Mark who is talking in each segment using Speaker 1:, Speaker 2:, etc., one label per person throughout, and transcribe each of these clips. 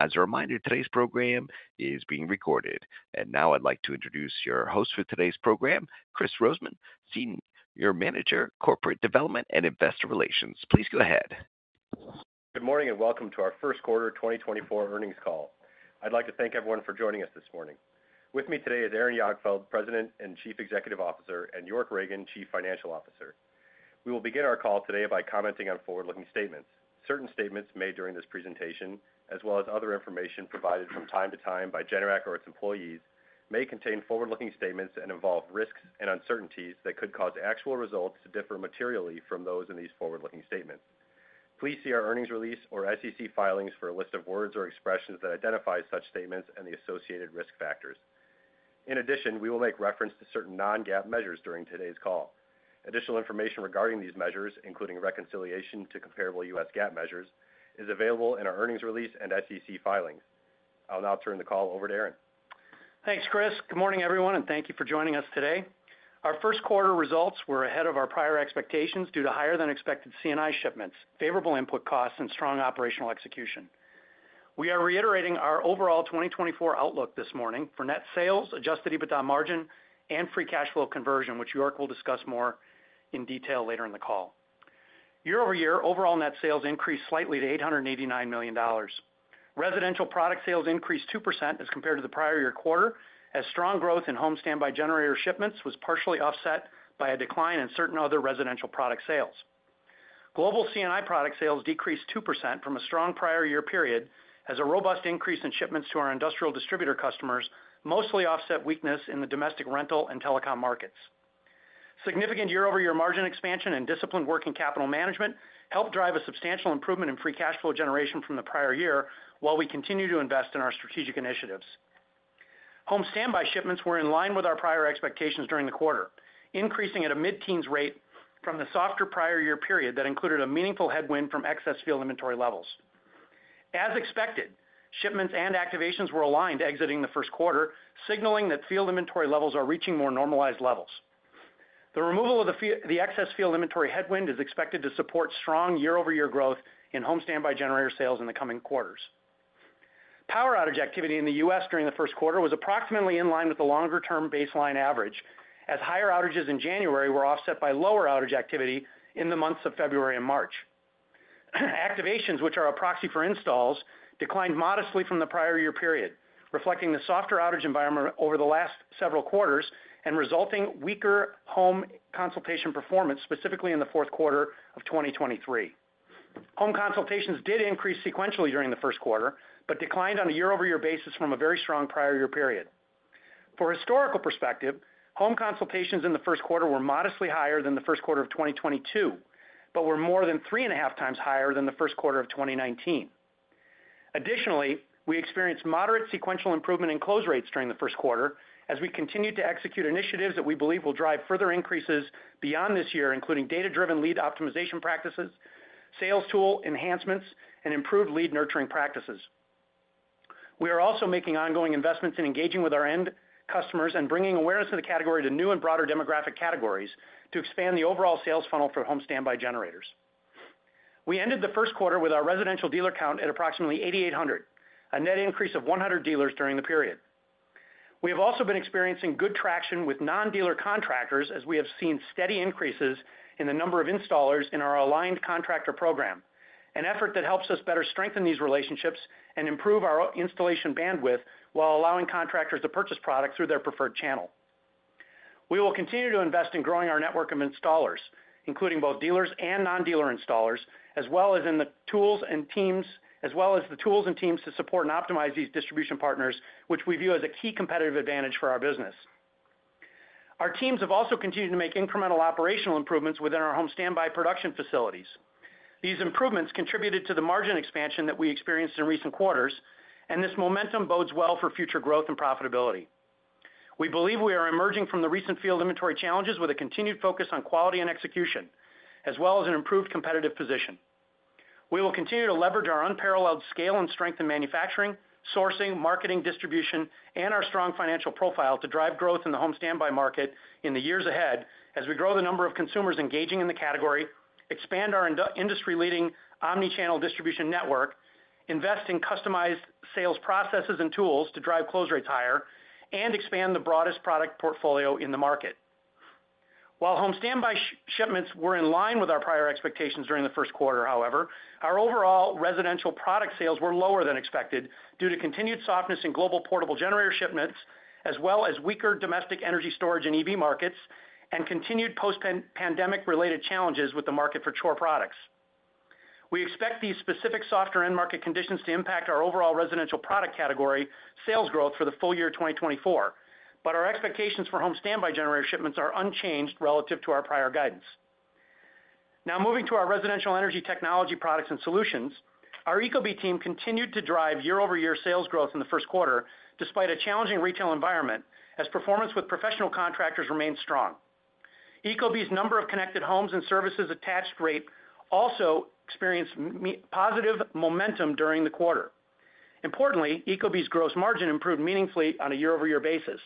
Speaker 1: As a reminder, today's program is being recorded, and now I'd like to introduce your host for today's program, Kris Rosemann, Senior Manager, Corporate Development and Investor Relations. Please go ahead.
Speaker 2: Good morning and welcome to our first quarter 2024 earnings call. I'd like to thank everyone for joining us this morning. With me today is Aaron Jagdfeld, President and Chief Executive Officer, and York Ragen, Chief Financial Officer. We will begin our call today by commenting on forward-looking statements. Certain statements made during this presentation, as well as other information provided from time to time by Generac or its employees, may contain forward-looking statements and involve risks and uncertainties that could cause actual results to differ materially from those in these forward-looking statements. Please see our earnings release or SEC filings for a list of words or expressions that identify such statements and the associated risk factors. In addition, we will make reference to certain non-GAAP measures during today's call. Additional information regarding these measures, including reconciliation to comparable U.S. GAAP measures, is available in our earnings release and SEC filings. I'll now turn the call over to Aaron.
Speaker 3: Thanks, Kris. Good morning, everyone, and thank you for joining us today. Our first quarter results were ahead of our prior expectations due to higher-than-expected C&I shipments, favorable input costs, and strong operational execution. We are reiterating our overall 2024 outlook this morning for net sales, adjusted EBITDA margin, and free cash flow conversion, which York will discuss more in detail later in the call. Year-over-year, overall net sales increased slightly to $889 million. Residential product sales increased 2% as compared to the prior year quarter, as strong growth in home standby generator shipments was partially offset by a decline in certain other residential product sales. Global C&I product sales decreased 2% from a strong prior year period, as a robust increase in shipments to our industrial distributor customers mostly offset weakness in the domestic rental and telecom markets. Significant year-over-year margin expansion and disciplined work in capital management helped drive a substantial improvement in free cash flow generation from the prior year, while we continue to invest in our strategic initiatives. Home standby shipments were in line with our prior expectations during the quarter, increasing at a mid-teens rate from the softer prior year period that included a meaningful headwind from excess field inventory levels. As expected, shipments and activations were aligned exiting the first quarter, signaling that field inventory levels are reaching more normalized levels. The removal of the excess field inventory headwind is expected to support strong year-over-year growth in home standby generator sales in the coming quarters. Power outage activity in the U.S. during the first quarter was approximately in line with the longer-term baseline average, as higher outages in January were offset by lower outage activity in the months of February and March. Activations, which are a proxy for installs, declined modestly from the prior year period, reflecting the softer outage environment over the last several quarters and resulting in weaker home consultation performance specifically in the fourth quarter of 2023. Home consultations did increase sequentially during the first quarter but declined on a year-over-year basis from a very strong prior year period. For historical perspective, home consultations in the first quarter were modestly higher than the first quarter of 2022 but were more than 3.5x higher than the first quarter of 2019. Additionally, we experienced moderate sequential improvement in close rates during the first quarter as we continue to execute initiatives that we believe will drive further increases beyond this year, including data-driven lead optimization practices, sales tool enhancements, and improved lead nurturing practices. We are also making ongoing investments in engaging with our end customers and bringing awareness of the category to new and broader demographic categories to expand the overall sales funnel for home standby generators. We ended the first quarter with our residential dealer count at approximately 8,800, a net increase of 100 dealers during the period. We have also been experiencing good traction with non-dealer contractors, as we have seen steady increases in the number of installers in our Aligned Contractor Program, an effort that helps us better strengthen these relationships and improve our installation bandwidth while allowing contractors to purchase product through their preferred channel. We will continue to invest in growing our network of installers, including both dealers and non-dealer installers, as well as in the tools and teams to support and optimize these distribution partners, which we view as a key competitive advantage for our business. Our teams have also continued to make incremental operational improvements within our home standby production facilities. These improvements contributed to the margin expansion that we experienced in recent quarters, and this momentum bodes well for future growth and profitability. We believe we are emerging from the recent field inventory challenges with a continued focus on quality and execution, as well as an improved competitive position. We will continue to leverage our unparalleled scale and strength in manufacturing, sourcing, marketing, distribution, and our strong financial profile to drive growth in the home standby market in the years ahead as we grow the number of consumers engaging in the category, expand our industry-leading omnichannel distribution network, invest in customized sales processes and tools to drive close rates higher, and expand the broadest product portfolio in the market. While home standby shipments were in line with our prior expectations during the first quarter, however, our overall residential product sales were lower than expected due to continued softness in global portable generator shipments, as well as weaker domestic energy storage and EV markets, and continued post-pandemic related challenges with the market for Chore products. We expect these specific softer end market conditions to impact our overall residential product category sales growth for the full year 2024, but our expectations for home standby generator shipments are unchanged relative to our prior guidance. Now moving to our residential energy technology products and solutions, our Ecobee team continued to drive year-over-year sales growth in the first quarter despite a challenging retail environment as performance with professional contractors remained strong. Ecobee's number of connected homes and services attached rate also experienced positive momentum during the quarter. Importantly, Ecobee's gross margin improved meaningfully on a year-over-year basis,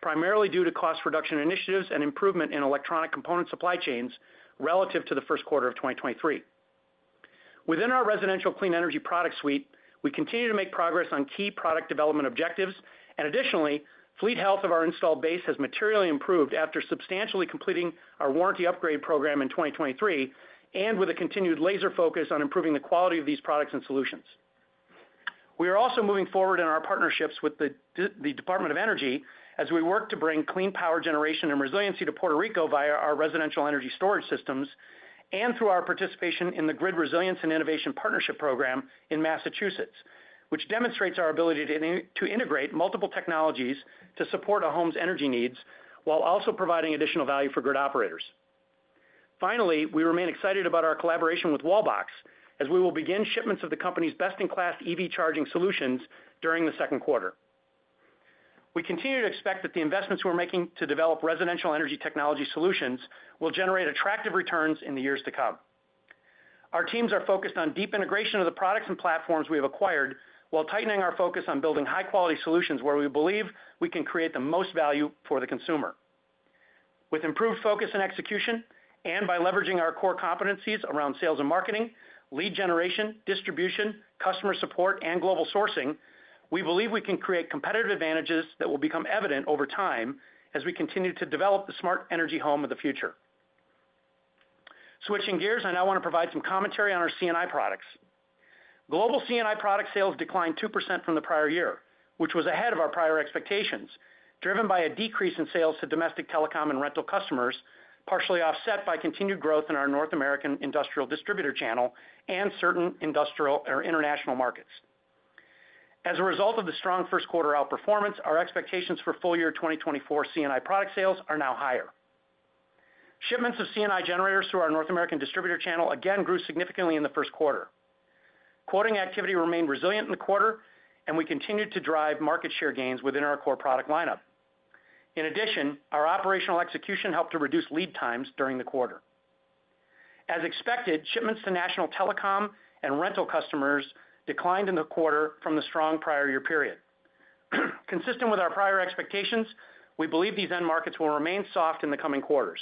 Speaker 3: primarily due to cost reduction initiatives and improvement in electronic component supply chains relative to the first quarter of 2023. Within our residential clean energy product suite, we continue to make progress on key product development objectives. And additionally, fleet health of our installed base has materially improved after substantially completing our warranty upgrade program in 2023, and with a continued laser focus on improving the quality of these products and solutions. We are also moving forward in our partnerships with the Department of Energy as we work to bring clean power generation and resiliency to Puerto Rico via our residential energy storage systems and through our participation in the Grid Resilience and Innovation Partnership Program in Massachusetts, which demonstrates our ability to integrate multiple technologies to support a home's energy needs while also providing additional value for grid operators. Finally, we remain excited about our collaboration with Wallbox as we will begin shipments of the company's best-in-class EV charging solutions during the second quarter. We continue to expect that the investments we're making to develop residential energy technology solutions will generate attractive returns in the years to come. Our teams are focused on deep integration of the products and platforms we have acquired while tightening our focus on building high-quality solutions where we believe we can create the most value for the consumer. With improved focus and execution, and by leveraging our core competencies around sales and marketing, lead generation, distribution, customer support, and global sourcing, we believe we can create competitive advantages that will become evident over time as we continue to develop the smart energy home of the future. Switching gears, I now want to provide some commentary on our C&I products. Global C&I product sales declined 2% from the prior year, which was ahead of our prior expectations, driven by a decrease in sales to domestic telecom and rental customers, partially offset by continued growth in our North American industrial distributor channel and certain industrial or international markets. As a result of the strong first quarter outperformance, our expectations for full year 2024 C&I product sales are now higher. Shipments of C&I generators through our North American distributor channel again grew significantly in the first quarter. Quoting activity remained resilient in the quarter, and we continued to drive market share gains within our core product lineup. In addition, our operational execution helped to reduce lead times during the quarter. As expected, shipments to national telecom and rental customers declined in the quarter from the strong prior year period. Consistent with our prior expectations, we believe these end markets will remain soft in the coming quarters.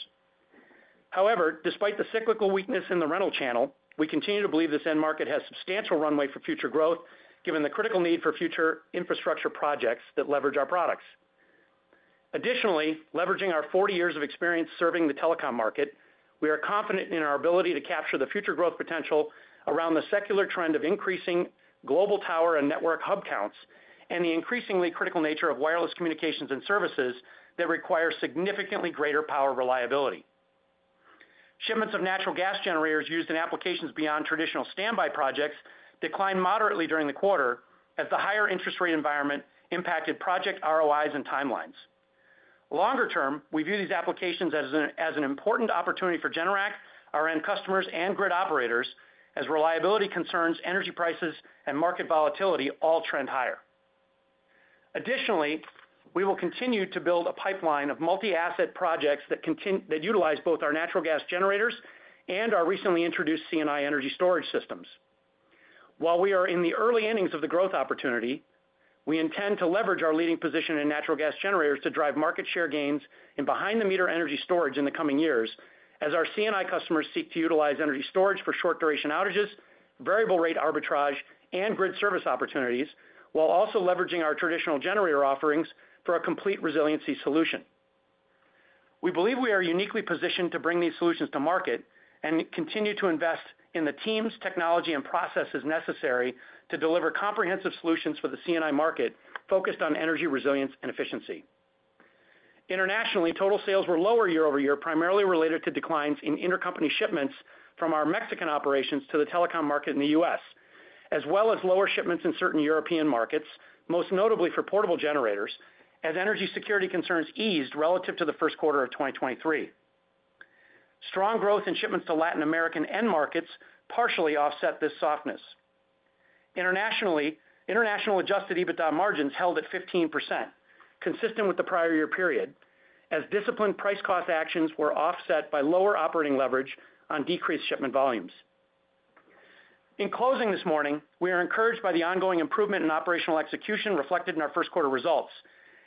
Speaker 3: However, despite the cyclical weakness in the rental channel, we continue to believe this end market has substantial runway for future growth, given the critical need for future infrastructure projects that leverage our products. Additionally, leveraging our 40 years of experience serving the telecom market, we are confident in our ability to capture the future growth potential around the secular trend of increasing global tower and network hub counts and the increasingly critical nature of wireless communications and services that require significantly greater power reliability. Shipments of natural gas generators used in applications beyond traditional standby projects declined moderately during the quarter as the higher interest rate environment impacted project ROIs and timelines. Longer term, we view these applications as an important opportunity for Generac, our end customers, and grid operators as reliability concerns, energy prices, and market volatility all trend higher. Additionally, we will continue to build a pipeline of multi-asset projects that utilize both our natural gas generators and our recently introduced C&I energy storage systems. While we are in the early innings of the growth opportunity, we intend to leverage our leading position in natural gas generators to drive market share gains in behind-the-meter energy storage in the coming years as our C&I customers seek to utilize energy storage for short-duration outages, variable rate arbitrage, and grid service opportunities, while also leveraging our traditional generator offerings for a complete resiliency solution. We believe we are uniquely positioned to bring these solutions to market and continue to invest in the teams, technology, and processes necessary to deliver comprehensive solutions for the C&I market focused on energy resilience and efficiency. Internationally, total sales were lower year-over-year, primarily related to declines in intercompany shipments from our Mexican operations to the telecom market in the U.S., as well as lower shipments in certain European markets, most notably for portable generators, as energy security concerns eased relative to the first quarter of 2023. Strong growth in shipments to Latin American end markets partially offset this softness. Internationally, international adjusted EBITDA margins held at 15%, consistent with the prior year period, as disciplined price cost actions were offset by lower operating leverage on decreased shipment volumes. In closing this morning, we are encouraged by the ongoing improvement in operational execution reflected in our first quarter results,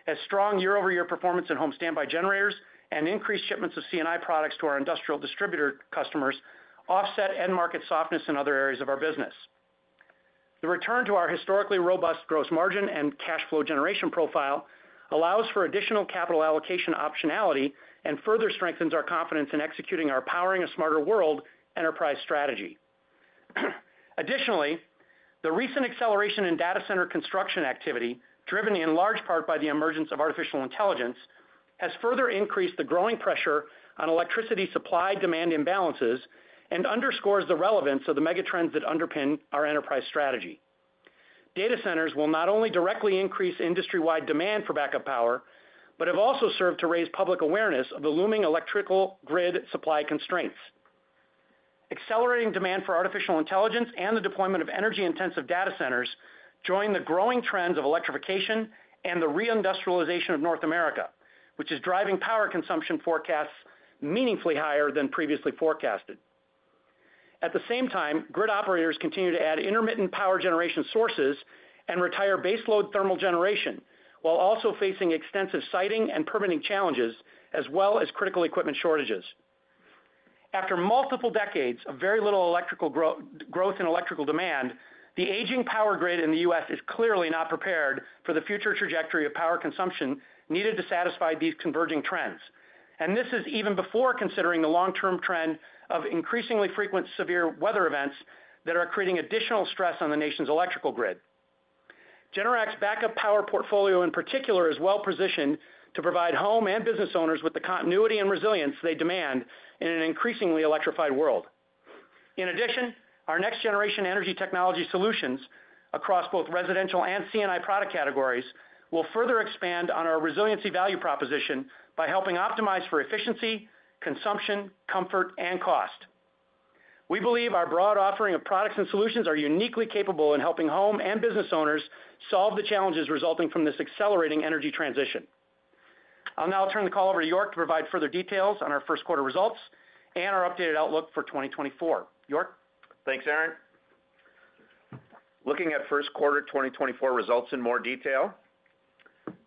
Speaker 3: as strong year-over-year performance in home standby generators and increased shipments of C&I products to our industrial distributor customers offset end market softness in other areas of our business. The return to our historically robust gross margin and cash flow generation profile allows for additional capital allocation optionality and further strengthens our confidence in executing our Powering a Smarter World enterprise strategy. Additionally, the recent acceleration in data center construction activity, driven in large part by the emergence of artificial intelligence, has further increased the growing pressure on electricity supply-demand imbalances and underscores the relevance of the megatrends that underpin our enterprise strategy. Data centers will not only directly increase industry-wide demand for backup power, but have also served to raise public awareness of the looming electrical grid supply constraints. Accelerating demand for artificial intelligence and the deployment of energy-intensive data centers join the growing trends of electrification and the reindustrialization of North America, which is driving power consumption forecasts meaningfully higher than previously forecasted. At the same time, grid operators continue to add intermittent power generation sources and retire baseload thermal generation, while also facing extensive siting and permitting challenges, as well as critical equipment shortages. After multiple decades of very little electrical growth in electrical demand, the aging power grid in the U.S. is clearly not prepared for the future trajectory of power consumption needed to satisfy these converging trends. This is even before considering the long-term trend of increasingly frequent severe weather events that are creating additional stress on the nation's electrical grid. Generac's backup power portfolio, in particular, is well positioned to provide home and business owners with the continuity and resilience they demand in an increasingly electrified world. In addition, our next generation energy technology solutions across both residential and C&I product categories will further expand on our resiliency value proposition by helping optimize for efficiency, consumption, comfort, and cost. We believe our broad offering of products and solutions are uniquely capable in helping home and business owners solve the challenges resulting from this accelerating energy transition. I'll now turn the call over to York to provide further details on our first quarter results and our updated outlook for 2024. York.
Speaker 4: Thanks, Aaron. Looking at first quarter 2024 results in more detail.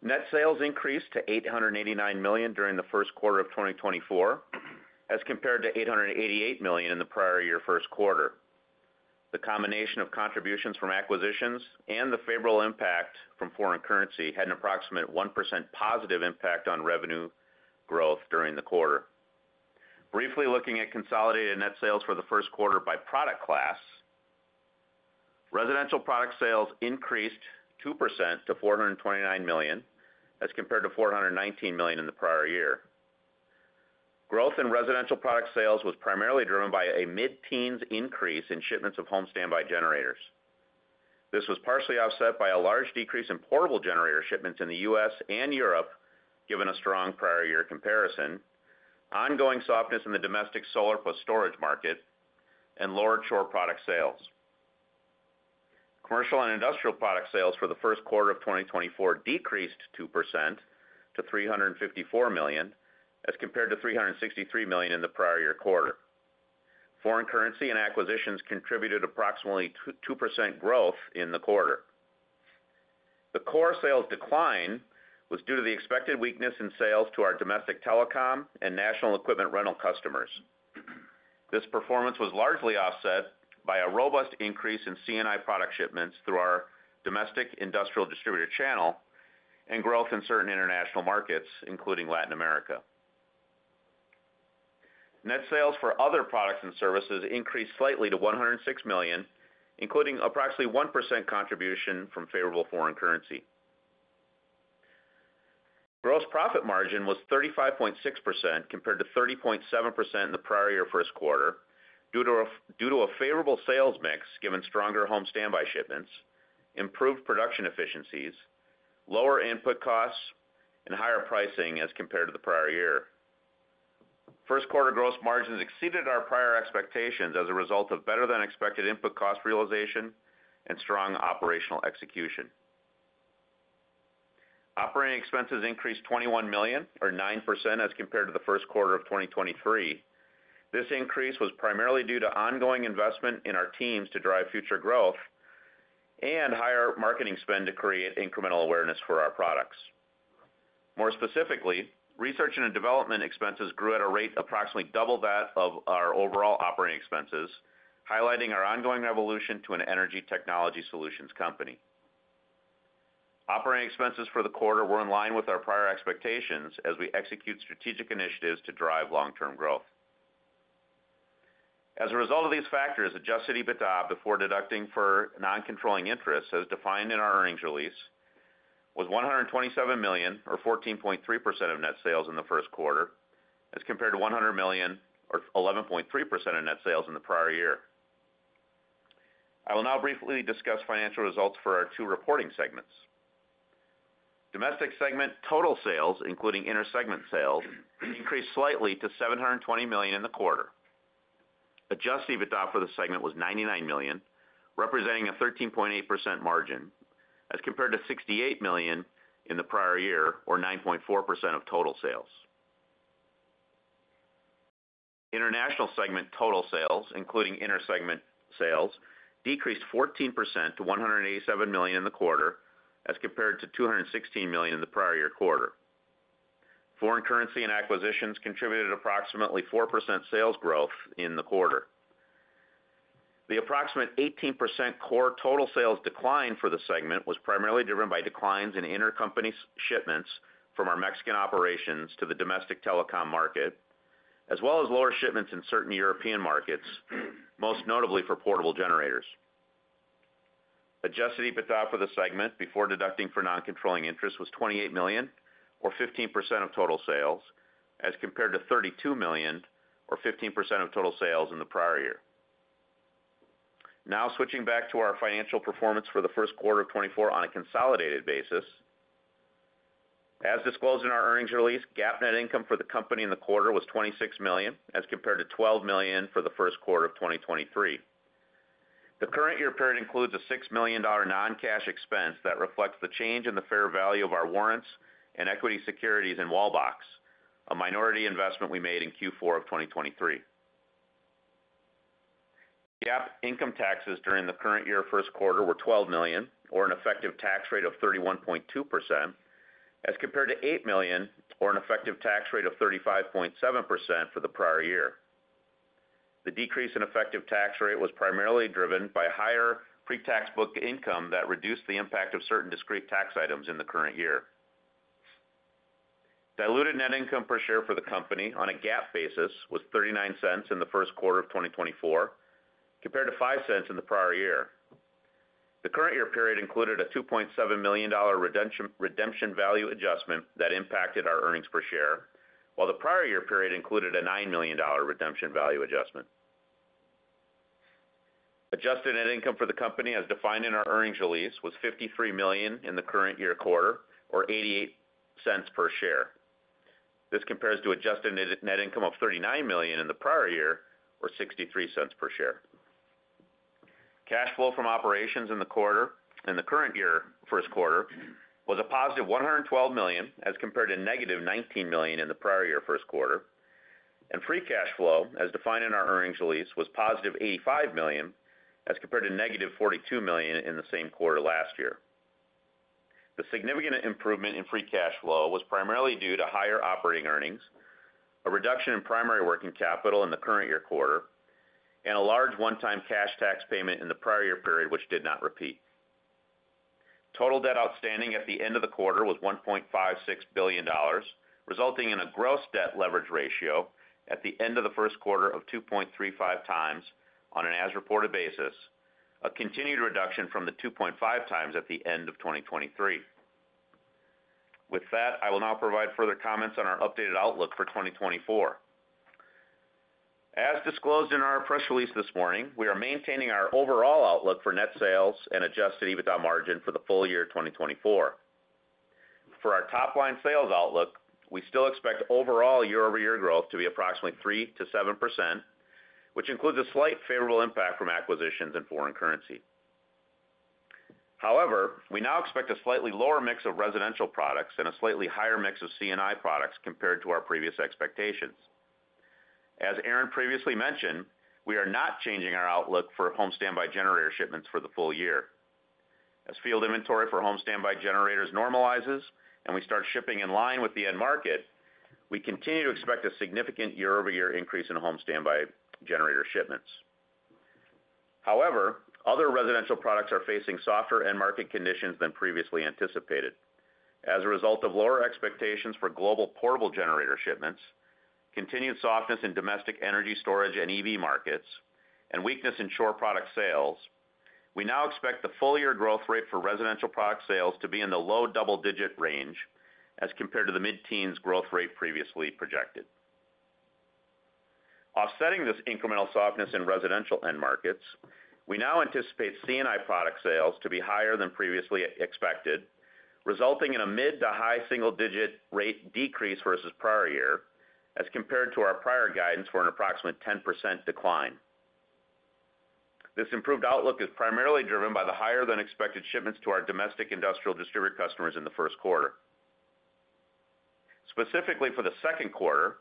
Speaker 4: Net sales increased to $889 million during the first quarter of 2024, as compared to $888 million in the prior year first quarter. The combination of contributions from acquisitions and the favorable impact from foreign currency had an approximate 1% positive impact on revenue growth during the quarter. Briefly looking at consolidated net sales for the first quarter by product class. Residential product sales increased 2% to $429 million as compared to $419 million in the prior year. Growth in residential product sales was primarily driven by a mid-teens increase in shipments of home standby generators. This was partially offset by a large decrease in portable generator shipments in the U.S. and Europe, given a strong prior year comparison, ongoing softness in the domestic solar plus storage market, and lower Chore product sales. Commercial and Industrial product sales for the first quarter of 2024 decreased 2% to $354 million as compared to $363 million in the prior year quarter. Foreign currency and acquisitions contributed approximately 2% growth in the quarter. The core sales decline was due to the expected weakness in sales to our domestic telecom and national equipment rental customers. This performance was largely offset by a robust increase in C&I product shipments through our domestic industrial distributor channel and growth in certain international markets, including Latin America. Net sales for other products and services increased slightly to $106 million, including approximately 1% contribution from favorable foreign currency. Gross profit margin was 35.6% compared to 30.7% in the prior year first quarter due to a favorable sales mix given stronger home standby shipments, improved production efficiencies, lower input costs, and higher pricing as compared to the prior year. First quarter gross margins exceeded our prior expectations as a result of better than expected input cost realization and strong operational execution. Operating expenses increased $21 million or 9% as compared to the first quarter of 2023. This increase was primarily due to ongoing investment in our teams to drive future growth and higher marketing spend to create incremental awareness for our products. More specifically, research and development expenses grew at a rate approximately double that of our overall operating expenses, highlighting our ongoing evolution to an energy technology solutions company. Operating expenses for the quarter were in line with our prior expectations as we execute strategic initiatives to drive long-term growth. As a result of these factors, adjusted EBITDA before deducting for non-controlling interests as defined in our earnings release was $127 million or 14.3% of net sales in the first quarter as compared to $100 million or 11.3% of net sales in the prior year. I will now briefly discuss financial results for our two reporting segments. Domestic segment total sales, including inter-segment sales, increased slightly to $720 million in the quarter. Adjusted EBITDA for the segment was $99 million, representing a 13.8% margin as compared to $68 million in the prior year or 9.4% of total sales. International segment total sales, including inter-segment sales, decreased 14% to $187 million in the quarter as compared to $216 million in the prior year quarter. Foreign currency and acquisitions contributed approximately 4% sales growth in the quarter. The approximate 18% core total sales decline for the segment was primarily driven by declines in inter-company shipments from our Mexican operations to the domestic telecom market, as well as lower shipments in certain European markets, most notably for portable generators. Adjusted EBITDA for the segment before deducting for non-controlling interests was $28 million or 15% of total sales as compared to $32 million or 15% of total sales in the prior year. Now switching back to our financial performance for the first quarter of 2024 on a consolidated basis. As disclosed in our earnings release, GAAP net income for the company in the quarter was $26 million as compared to $12 million for the first quarter of 2023. The current year period includes a $6 million non-cash expense that reflects the change in the fair value of our warrants and equity securities in Wallbox, a minority investment we made in Q4 of 2023. GAAP income taxes during the current year first quarter were $12 million or an effective tax rate of 31.2% as compared to $8 million or an effective tax rate of 35.7% for the prior year. The decrease in effective tax rate was primarily driven by higher pre-tax book income that reduced the impact of certain discrete tax items in the current year. Diluted net income per share for the company on a GAAP basis was $0.39 in the first quarter of 2024 compared to $0.05 in the prior year. The current year period included a $2.7 million redemption value adjustment that impacted our earnings per share, while the prior year period included a $9 million redemption value adjustment. Adjusted net income for the company as defined in our earnings release was $53 million in the current year quarter or $0.88 per share. This compares to adjusted net income of $39 million in the prior year or $0.63 per share. Cash flow from operations in the quarter in the current year first quarter was a positive $112 million as compared to negative $19 million in the prior year first quarter. Free cash flow as defined in our earnings release was positive $85 million as compared to negative $42 million in the same quarter last year. The significant improvement in free cash flow was primarily due to higher operating earnings, a reduction in primary working capital in the current year quarter, and a large one-time cash tax payment in the prior year period, which did not repeat. Total debt outstanding at the end of the quarter was $1.56 billion, resulting in a gross debt leverage ratio at the end of the first quarter of 2.35x on an as-reported basis, a continued reduction from the 2.5x at the end of 2023. With that, I will now provide further comments on our updated outlook for 2024. As disclosed in our press release this morning, we are maintaining our overall outlook for net sales and adjusted EBITDA margin for the full year 2024. For our top-line sales outlook, we still expect overall year-over-year growth to be approximately 3%-7%, which includes a slight favorable impact from acquisitions and foreign currency. However, we now expect a slightly lower mix of residential products and a slightly higher mix of C&I products compared to our previous expectations. As Aaron previously mentioned, we are not changing our outlook for home standby generator shipments for the full year. As field inventory for home standby generators normalizes and we start shipping in line with the end market, we continue to expect a significant year-over-year increase in home standby generator shipments. However, other residential products are facing softer end market conditions than previously anticipated. As a result of lower expectations for global portable generator shipments, continued softness in domestic energy storage and EV markets, and weakness in Chore product sales, we now expect the full year growth rate for residential product sales to be in the low double-digit range as compared to the mid-teens growth rate previously projected. Offsetting this incremental softness in residential end markets, we now anticipate C&I product sales to be higher than previously expected, resulting in a mid to high single-digit rate decrease versus prior year as compared to our prior guidance for an approximate 10% decline. This improved outlook is primarily driven by the higher than expected shipments to our domestic industrial distributor customers in the first quarter. Specifically for the second quarter,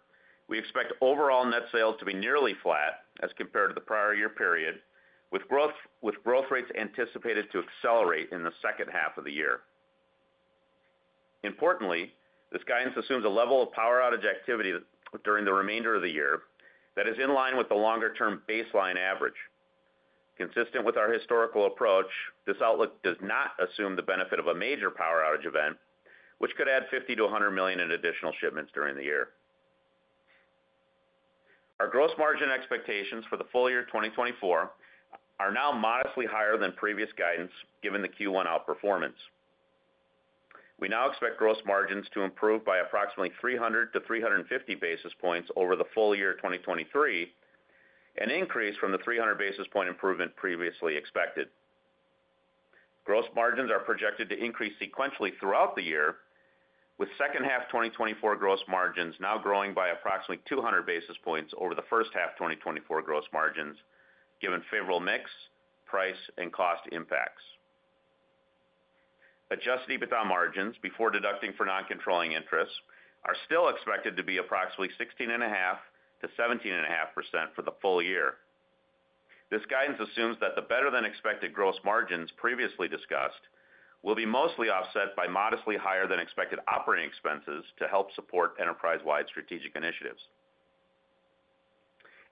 Speaker 4: we expect overall net sales to be nearly flat as compared to the prior year period, with growth rates anticipated to accelerate in the second half of the year. Importantly, this guidance assumes a level of power outage activity during the remainder of the year that is in line with the longer-term baseline average. Consistent with our historical approach, this outlook does not assume the benefit of a major power outage event, which could add 50-100 million in additional shipments during the year. Our gross margin expectations for the full year 2024 are now modestly higher than previous guidance given the Q1 outperformance. We now expect gross margins to improve by approximately 300-350 basis points over the full year 2023, an increase from the 300 basis point improvement previously expected. Gross margins are projected to increase sequentially throughout the year, with second half 2024 gross margins now growing by approximately 200 basis points over the first half 2024 gross margins, given favorable mix, price, and cost impacts. Adjusted EBITDA margins before deducting for non-controlling interests are still expected to be approximately 16.5%-17.5% for the full year. This guidance assumes that the better than expected gross margins previously discussed will be mostly offset by modestly higher than expected operating expenses to help support enterprise-wide strategic initiatives.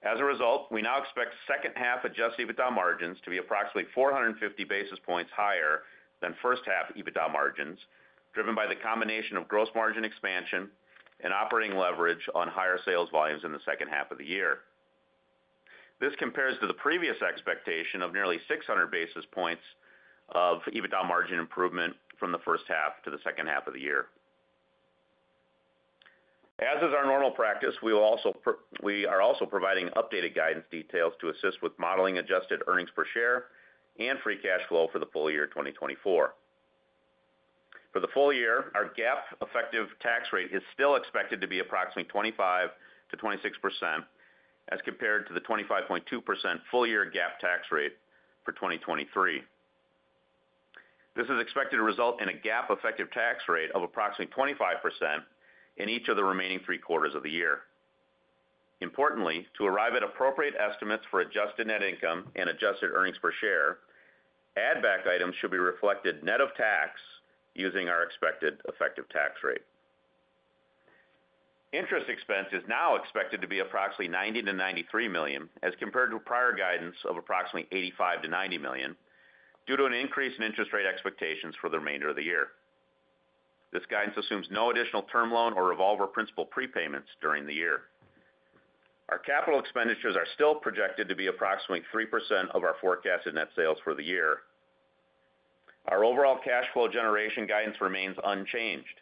Speaker 4: As a result, we now expect second half adjusted EBITDA margins to be approximately 450 basis points higher than first half EBITDA margins, driven by the combination of gross margin expansion and operating leverage on higher sales volumes in the second half of the year. This compares to the previous expectation of nearly 600 basis points of EBITDA margin improvement from the first half to the second half of the year. As is our normal practice, we are also providing updated guidance details to assist with modeling adjusted earnings per share and free cash flow for the full year 2024. For the full year, our GAAP effective tax rate is still expected to be approximately 25%-26% as compared to the 25.2% full year GAAP tax rate for 2023. This is expected to result in a GAAP effective tax rate of approximately 25% in each of the remaining three quarters of the year. Importantly, to arrive at appropriate estimates for adjusted net income and adjusted earnings per share, add-back items should be reflected net of tax using our expected effective tax rate. Interest expense is now expected to be approximately $90 million-$93 million as compared to prior guidance of approximately $85 million-$90 million due to an increase in interest rate expectations for the remainder of the year. This guidance assumes no additional term loan or revolver principal prepayments during the year. Our capital expenditures are still projected to be approximately 3% of our forecasted net sales for the year. Our overall cash flow generation guidance remains unchanged.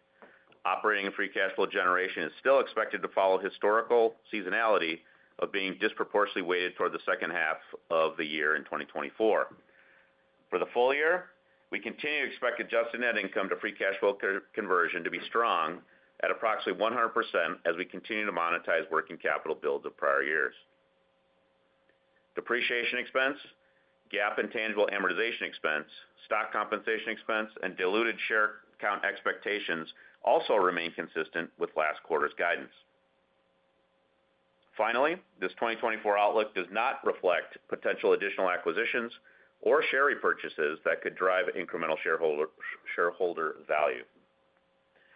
Speaker 4: Operating and free cash flow generation is still expected to follow historical seasonality of being disproportionately weighted toward the second half of the year in 2024. For the full year, we continue to expect adjusted net income to free cash flow conversion to be strong at approximately 100% as we continue to monetize working capital builds of prior years. Depreciation expense, GAAP and intangible amortization expense, stock compensation expense, and diluted share count expectations also remain consistent with last quarter's guidance. Finally, this 2024 outlook does not reflect potential additional acquisitions or share repurchases that could drive incremental shareholder value.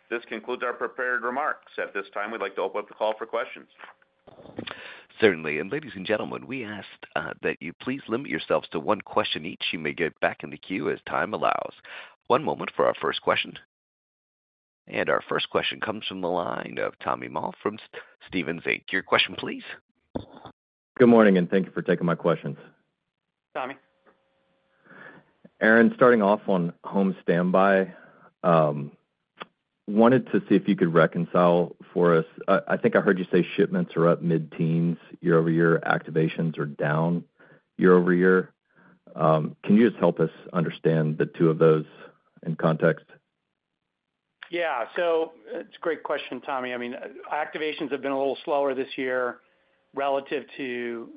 Speaker 4: This concludes our prepared remarks. At this time, we'd like to open up the call for questions.
Speaker 1: Certainly. Ladies and gentlemen, we ask that you please limit yourselves to one question each. You may get back in the queue as time allows. One moment for our first question. Our first question comes from the line of Tommy Moll from Stephens Inc. Your question, please.
Speaker 5: Good morning. Thank you for taking my questions.
Speaker 3: Tommy.
Speaker 5: Aaron, starting off on home standby, wanted to see if you could reconcile for us. I think I heard you say shipments are up mid-teens year-over-year. Activations are down year-over-year. Can you just help us understand the two of those in context?
Speaker 3: Yeah. So it's a great question, Tommy. I mean, activations have been a little slower this year relative to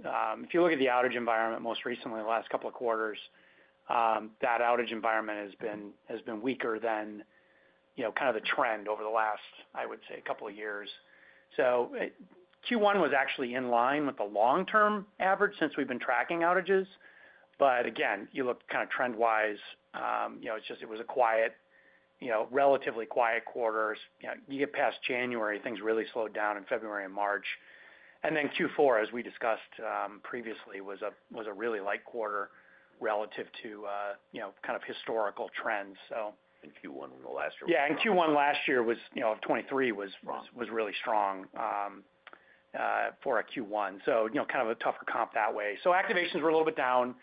Speaker 3: if you look at the outage environment most recently, the last couple of quarters, that outage environment has been weaker than kind of the trend over the last, I would say, couple of years. So Q1 was actually in line with the long-term average since we've been tracking outages. But again, you look kind of trend-wise, it was a relatively quiet quarter. You get past January, things really slowed down in February and March. And then Q4, as we discussed previously, was a really light quarter relative to kind of historical trends, so.
Speaker 4: In Q1 in the last year.
Speaker 3: Yeah. Q1 last year of 2023 was really strong for a Q1. So kind of a tougher comp that way. So activations were a little bit down.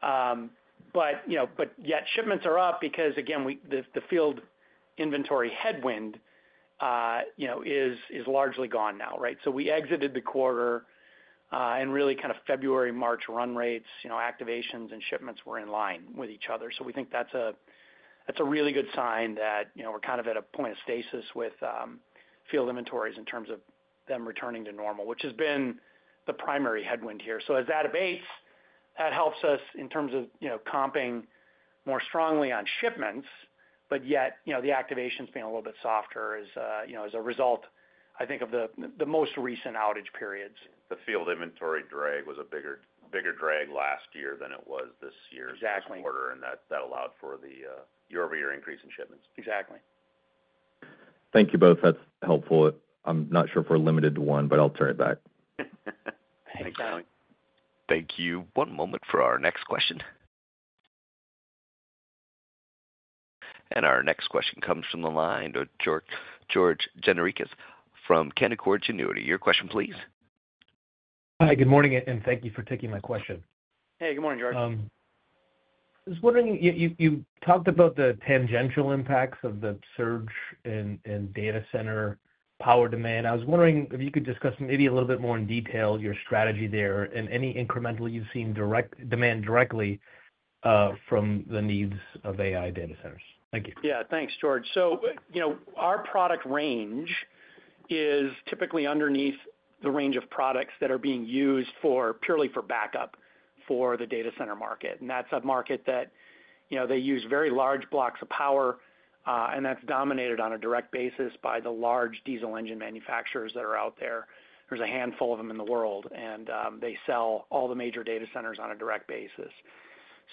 Speaker 3: But yet shipments are up because, again, the field inventory headwind is largely gone now, right? So we exited the quarter. Really kind of February, March run rates, activations, and shipments were in line with each other. So we think that's a really good sign that we're kind of at a point of stasis with field inventories in terms of them returning to normal, which has been the primary headwind here. So as that abates, that helps us in terms of comping more strongly on shipments. But yet the activations being a little bit softer as a result, I think, of the most recent outage periods.
Speaker 4: The field inventory drag was a bigger drag last year than it was this year's quarter. That allowed for the year-over-year increase in shipments.
Speaker 3: Exactly.
Speaker 5: Thank you both. That's helpful. I'm not sure if we're limited to one, but I'll turn it back.
Speaker 3: Thanks, Tommy.
Speaker 1: Thank you. One moment for our next question. Our next question comes from the line to George Gianarikas from Canaccord Genuity. Your question, please.
Speaker 6: Hi. Good morning. Thank you for taking my question.
Speaker 3: Hey. Good morning, George.
Speaker 6: I was wondering, you talked about the tangential impacts of the surge in data center power demand. I was wondering if you could discuss maybe a little bit more in detail your strategy there and any incremental you've seen demand directly from the needs of AI data centers? Thank you.
Speaker 3: Yeah. Thanks, George. Our product range is typically underneath the range of products that are being used purely for backup for the data center market. That's a market that they use very large blocks of power. That's dominated on a direct basis by the large diesel engine manufacturers that are out there. There's a handful of them in the world. They sell all the major data centers on a direct basis.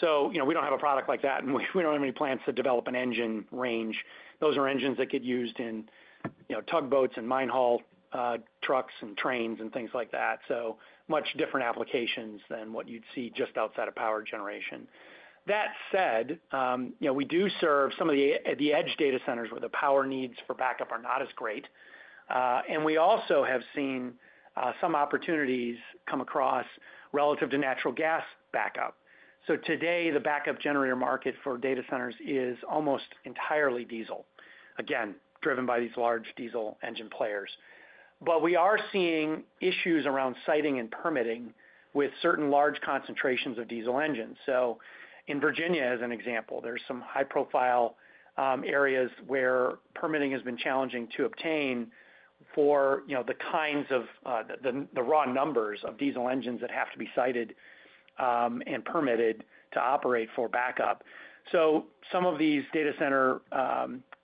Speaker 3: We don't have a product like that. We don't have any plants that develop an engine range. Those are engines that get used in tugboats and mine haul trucks and trains and things like that. So much different applications than what you'd see just outside of power generation. That said, we do serve some of the edge data centers where the power needs for backup are not as great. We also have seen some opportunities come across relative to natural gas backup. Today, the backup generator market for data centers is almost entirely diesel, again, driven by these large diesel engine players. We are seeing issues around siting and permitting with certain large concentrations of diesel engines. In Virginia, as an example, there's some high-profile areas where permitting has been challenging to obtain for the kinds of the raw numbers of diesel engines that have to be sited and permitted to operate for backup. Some of these data center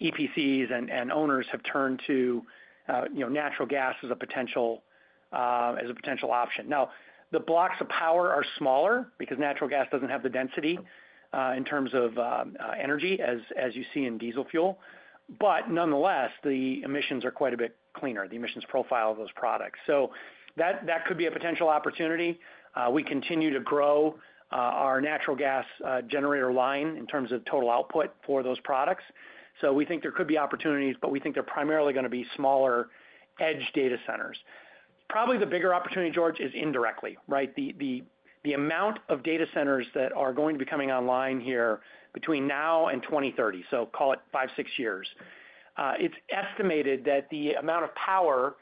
Speaker 3: EPCs and owners have turned to natural gas as a potential option. Now, the blocks of power are smaller because natural gas doesn't have the density in terms of energy as you see in diesel fuel. Nonetheless, the emissions are quite a bit cleaner, the emissions profile of those products. So that could be a potential opportunity. We continue to grow our natural gas generator line in terms of total output for those products. So we think there could be opportunities, but we think they're primarily going to be smaller edge data centers. Probably the bigger opportunity, George, is indirectly, right? The amount of data centers that are going to be coming online here between now and 2030, so call it five, six years. It's estimated that the amount of power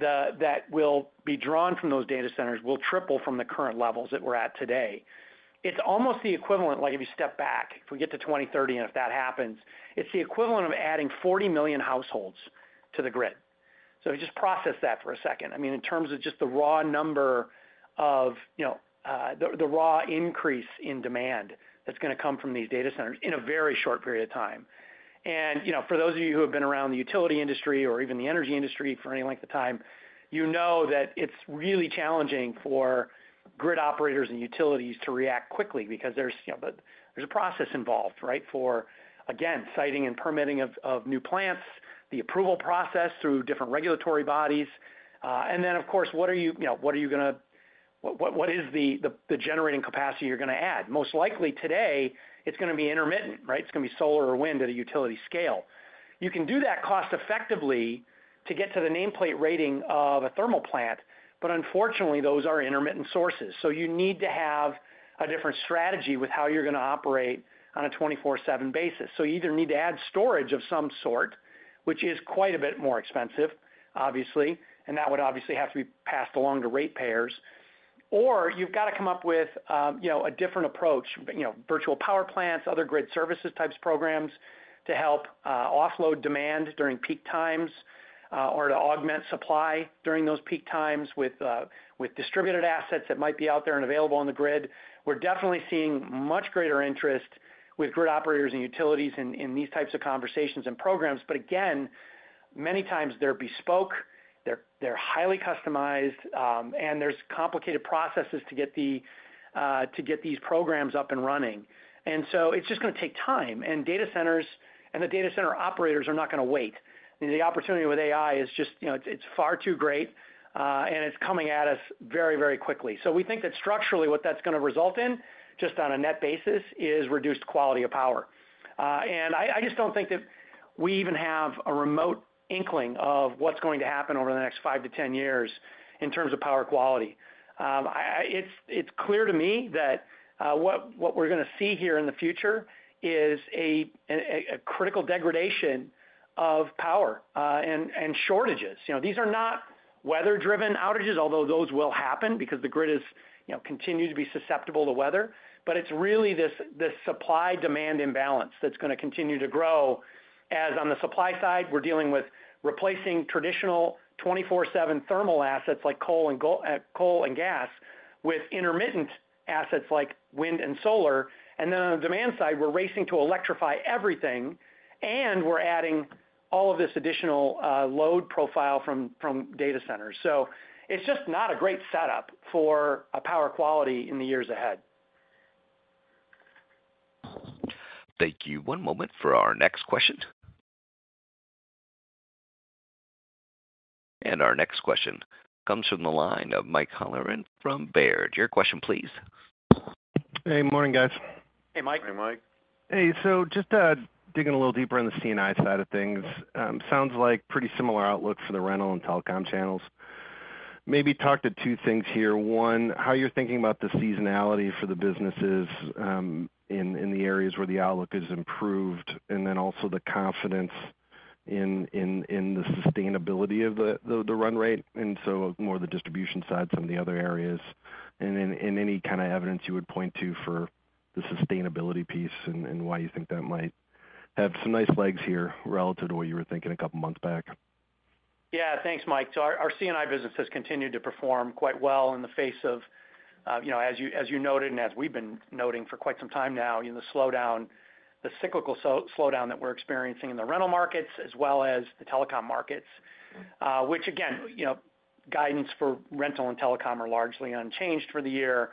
Speaker 3: that will be drawn from those data centers will triple from the current levels that we're at today. It's almost the equivalent like if you step back, if we get to 2030 and if that happens, it's the equivalent of adding 40 million households to the grid. So if you just process that for a second, I mean, in terms of just the raw number of the raw increase in demand that's going to come from these data centers in a very short period of time. For those of you who have been around the utility industry or even the energy industry for any length of time, you know that it's really challenging for grid operators and utilities to react quickly because there's a process involved, right, for, again, siting and permitting of new plants, the approval process through different regulatory bodies. Then, of course, what are you going to what is the generating capacity you're going to add? Most likely today, it's going to be intermittent, right? It's going to be solar or wind at a utility scale. You can do that cost-effectively to get to the nameplate rating of a thermal plant, but unfortunately, those are intermittent sources. So you need to have a different strategy with how you're going to operate on a 24/7 basis. So you either need to add storage of some sort, which is quite a bit more expensive, obviously. And that would obviously have to be passed along to rate payers. Or you've got to come up with a different approach, virtual power plants, other grid services types programs to help offload demand during peak times or to augment supply during those peak times with distributed assets that might be out there and available on the grid. We're definitely seeing much greater interest with grid operators and utilities in these types of conversations and programs. But again, many times they're bespoke. They're highly customized. There's complicated processes to get these programs up and running. So it's just going to take time. Data centers and the data center operators are not going to wait. The opportunity with AI is just it's far too great. It's coming at us very, very quickly. We think that structurally, what that's going to result in, just on a net basis, is reduced quality of power. I just don't think that we even have a remote inkling of what's going to happen over the next 5-10 years in terms of power quality. It's clear to me that what we're going to see here in the future is a critical degradation of power and shortages. These are not weather-driven outages, although those will happen because the grid continues to be susceptible to weather. But it's really this supply-demand imbalance that's going to continue to grow. As on the supply side, we're dealing with replacing traditional 24/7 thermal assets like coal and gas with intermittent assets like wind and solar. And then on the demand side, we're racing to electrify everything. And we're adding all of this additional load profile from data centers. So it's just not a great setup for power quality in the years ahead.
Speaker 1: Thank you. One moment for our next question. Our next question comes from the line of Mike Halloran from Baird. Your question, please.
Speaker 7: Hey. Morning, guys.
Speaker 3: Hey, Mike.
Speaker 4: Hey, Mike.
Speaker 7: Hey. So just digging a little deeper in the C&I side of things, sounds like pretty similar outlook for the rental and telecom channels. Maybe talk to two things here. One, how you're thinking about the seasonality for the businesses in the areas where the outlook has improved, and then also the confidence in the sustainability of the run rate, and so more the distribution side, some of the other areas, and any kind of evidence you would point to for the sustainability piece and why you think that might have some nice legs here relative to what you were thinking a couple of months back.
Speaker 3: Yeah. Thanks, Mike. So our C&I business has continued to perform quite well in the face of, as you noted and as we've been noting for quite some time now, the cyclical slowdown that we're experiencing in the rental markets as well as the telecom markets, which, again, guidance for rental and telecom are largely unchanged for the year.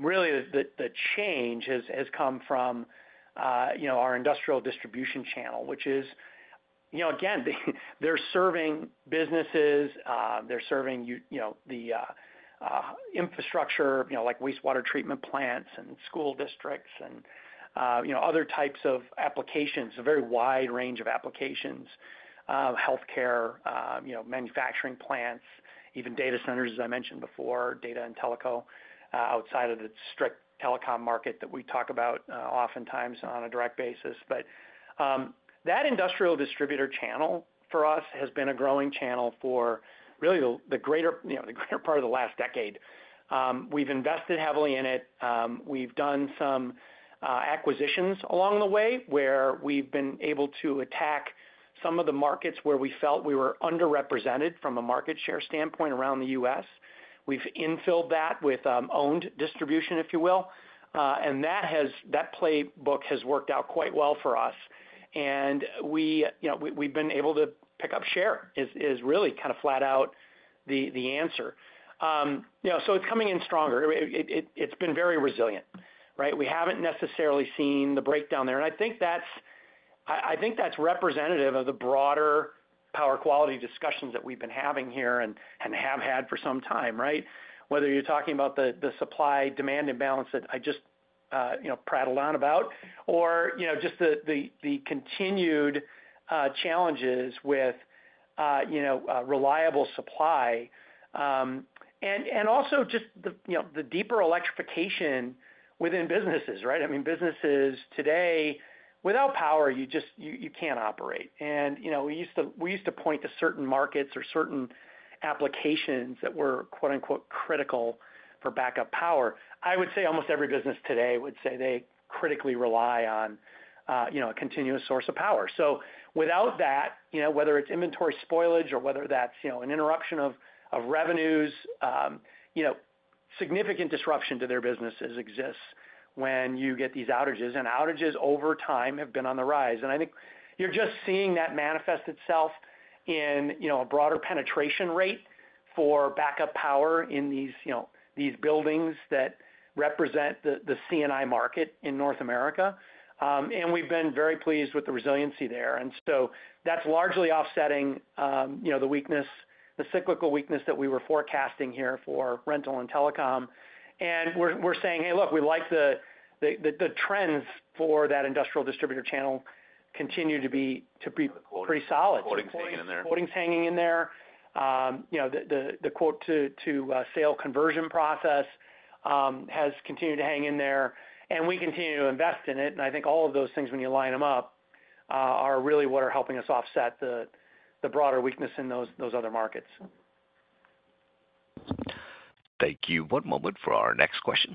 Speaker 3: Really, the change has come from our industrial distribution channel, which is, again, they're serving businesses. They're serving the infrastructure like wastewater treatment plants and school districts and other types of applications, a very wide range of applications, healthcare manufacturing plants, even data centers, as I mentioned before, data and telco outside of the strict telecom market that we talk about oftentimes on a direct basis. But that industrial distributor channel for us has been a growing channel for really the greater part of the last decade. We've invested heavily in it. We've done some acquisitions along the way where we've been able to attack some of the markets where we felt we were underrepresented from a market share standpoint around the U.S. We've infilled that with owned distribution, if you will. And that playbook has worked out quite well for us. And we've been able to pick up share is really kind of flat out the answer. So it's coming in stronger. It's been very resilient, right? We haven't necessarily seen the breakdown there. And I think that's representative of the broader power quality discussions that we've been having here and have had for some time, right? Whether you're talking about the supply-demand imbalance that I just prattled on about or just the continued challenges with reliable supply and also just the deeper electrification within businesses, right? I mean, businesses today, without power, you can't operate. We used to point to certain markets or certain applications that were "critical" for backup power. I would say almost every business today would say they critically rely on a continuous source of power. So without that, whether it's inventory spoilage or whether that's an interruption of revenues, significant disruption to their businesses exists when you get these outages. And outages over time have been on the rise. And I think you're just seeing that manifest itself in a broader penetration rate for backup power in these buildings that represent the C&I market in North America. And we've been very pleased with the resiliency there. And so that's largely offsetting the cyclical weakness that we were forecasting here for rental and telecom. And we're saying, "Hey, look, we like the trends for that industrial distributor channel continue to be pretty solid.
Speaker 4: Quoting's hanging in there.
Speaker 3: Quoting's hanging in there. The quote to sale conversion process has continued to hang in there. We continue to invest in it. I think all of those things, when you line them up, are really what are helping us offset the broader weakness in those other markets.
Speaker 1: Thank you. One moment for our next question.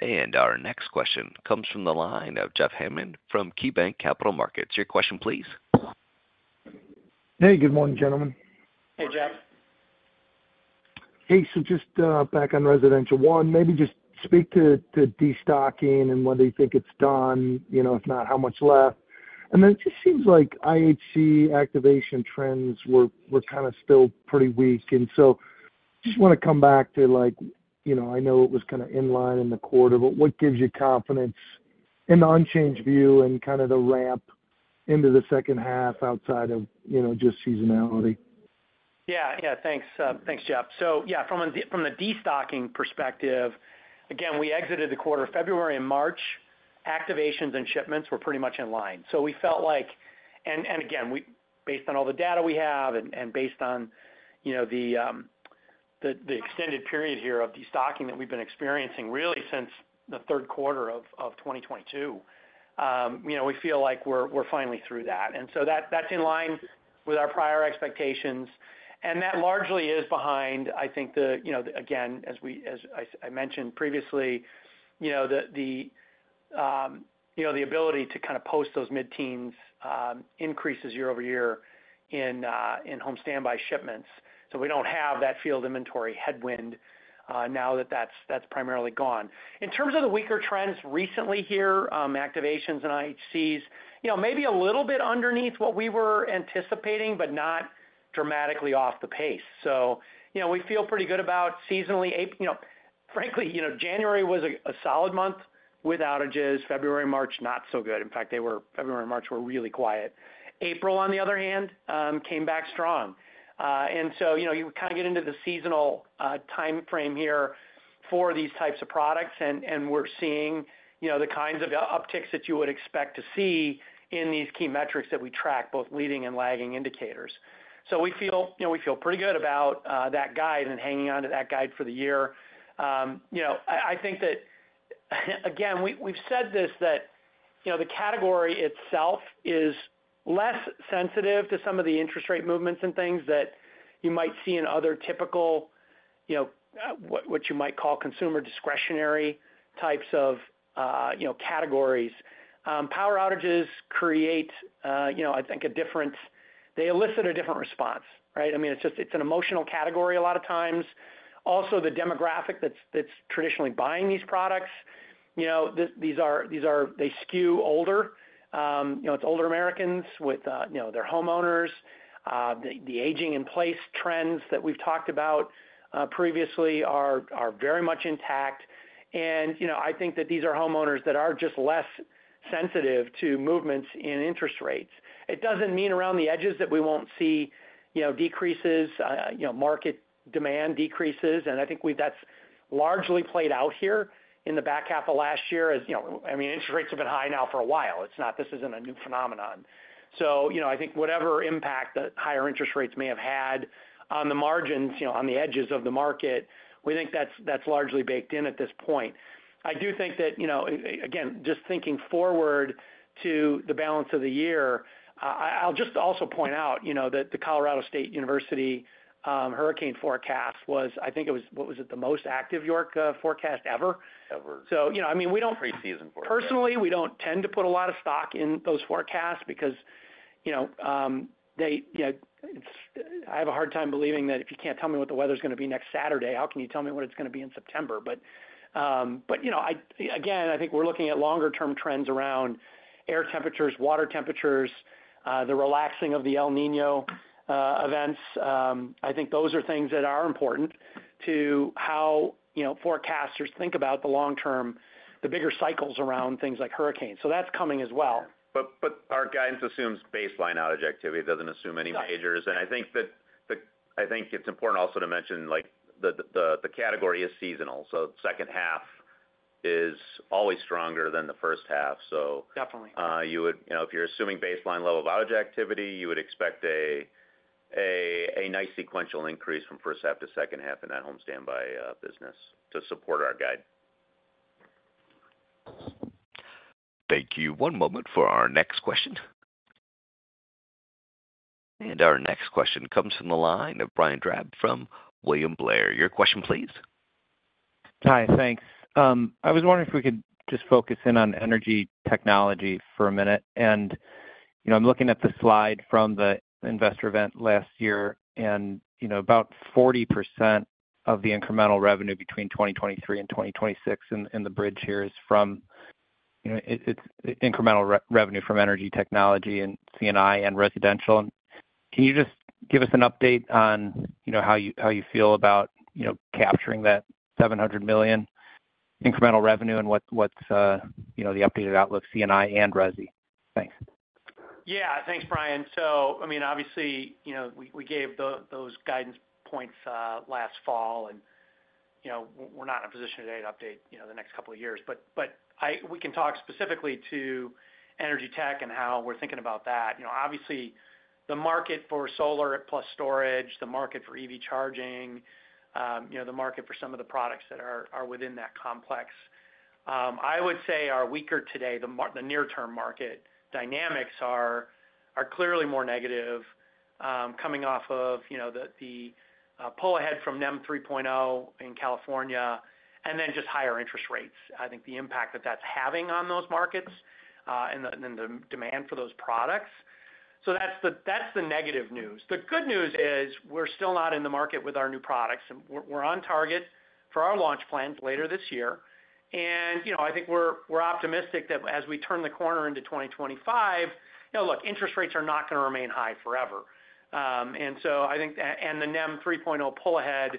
Speaker 1: Our next question comes from the line of Jeff Hammond from KeyBanc Capital Markets. Your question, please.
Speaker 8: Hey. Good morning, gentlemen.
Speaker 3: Hey, Jeff.
Speaker 8: Hey. So just back on residential one, maybe just speak to destocking and whether you think it's done, if not, how much left. And then it just seems like IHC activation trends were kind of still pretty weak. And so I just want to come back to, I know it was kind of in line in the quarter, but what gives you confidence in the unchanged view and kind of the ramp into the second half outside of just seasonality?
Speaker 3: Yeah. Yeah. Thanks. Thanks, Jeff. So yeah, from the destocking perspective, again, we exited the quarter. February and March, activations and shipments were pretty much in line. So we felt like and again, based on all the data we have and based on the extended period here of destocking that we've been experiencing really since the third quarter of 2022, we feel like we're finally through that. And so that's in line with our prior expectations. And that largely is behind, I think, the again, as I mentioned previously, the ability to kind of post those mid-teens increases year-over-year in home standby shipments. So we don't have that field inventory headwind now that that's primarily gone. In terms of the weaker trends recently here, activations and IHCs, maybe a little bit underneath what we were anticipating, but not dramatically off the pace. So we feel pretty good about seasonally. Frankly, January was a solid month with outages. February, March, not so good. In fact, February and March were really quiet. April, on the other hand, came back strong. And so you kind of get into the seasonal time frame here for these types of products. And we're seeing the kinds of upticks that you would expect to see in these key metrics that we track, both leading and lagging indicators. So we feel pretty good about that guide and hanging on to that guide for the year. I think that, again, we've said this, that the category itself is less sensitive to some of the interest rate movements and things that you might see in other typical, what you might call consumer discretionary types of categories. Power outages create, I think, they elicit a different response, right? I mean, it's an emotional category a lot of times. Also, the demographic that's traditionally buying these products, these are they skew older. It's older Americans with their homeowners. The aging-in-place trends that we've talked about previously are very much intact. And I think that these are homeowners that are just less sensitive to movements in interest rates. It doesn't mean around the edges that we won't see decreases, market demand decreases. And I think that's largely played out here in the back half of last year as I mean, interest rates have been high now for a while. This isn't a new phenomenon. So I think whatever impact that higher interest rates may have had on the margins, on the edges of the market, we think that's largely baked in at this point. I do think that, again, just thinking forward to the balance of the year, I'll just also point out that the Colorado State University hurricane forecast was, I think it was, what was it, the most active year forecast ever?
Speaker 4: Ever.
Speaker 3: I mean, we don't.
Speaker 4: Preseason forecast.
Speaker 3: Personally, we don't tend to put a lot of stock in those forecasts because I have a hard time believing that if you can't tell me what the weather's going to be next Saturday, how can you tell me what it's going to be in September? But again, I think we're looking at longer-term trends around air temperatures, water temperatures, the relaxing of the El Niño events. I think those are things that are important to how forecasters think about the long-term, the bigger cycles around things like hurricanes. So that's coming as well.
Speaker 4: But our guidance assumes baseline outage activity. It doesn't assume any majors. And I think that I think it's important also to mention the category is seasonal. So the second half is always stronger than the first half. So you would, if you're assuming baseline level of outage activity, you would expect a nice sequential increase from first half to second half in that home standby business to support our guide.
Speaker 1: Thank you. One moment for our next question. Our next question comes from the line of Brian Drab from William Blair. Your question, please.
Speaker 9: Hi. Thanks. I was wondering if we could just focus in on energy technology for a minute. I'm looking at the slide from the investor event last year. About 40% of the incremental revenue between 2023 and 2026 in the bridge here is from its incremental revenue from energy technology and C&I and residential. Can you just give us an update on how you feel about capturing that $700 million incremental revenue and what's the updated outlook, C&I and resi? Thanks.
Speaker 3: Yeah. Thanks, Brian. So I mean, obviously, we gave those guidance points last fall. And we're not in a position today to update the next couple of years. But we can talk specifically to energy tech and how we're thinking about that. Obviously, the market for solar plus storage, the market for EV charging, the market for some of the products that are within that complex. I would say are weaker today, the near-term market dynamics are clearly more negative coming off of the pull ahead from NEM 3.0 in California and then just higher interest rates. I think the impact that that's having on those markets and then the demand for those products. So that's the negative news. The good news is we're still not in the market with our new products. And we're on target for our launch plans later this year. I think we're optimistic that as we turn the corner into 2025, look, interest rates are not going to remain high forever. And so I think and the NEM 3.0 pull ahead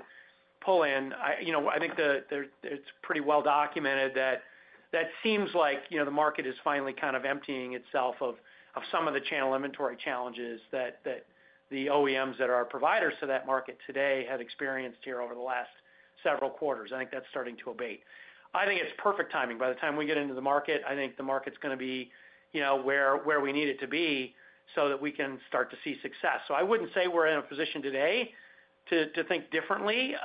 Speaker 3: pull-in, I think it's pretty well documented that that seems like the market is finally kind of emptying itself of some of the channel inventory challenges that the OEMs that are providers to that market today have experienced here over the last several quarters. I think that's starting to abate. I think it's perfect timing. By the time we get into the market, I think the market's going to be where we need it to be so that we can start to see success. So I wouldn't say we're in a position today to think differently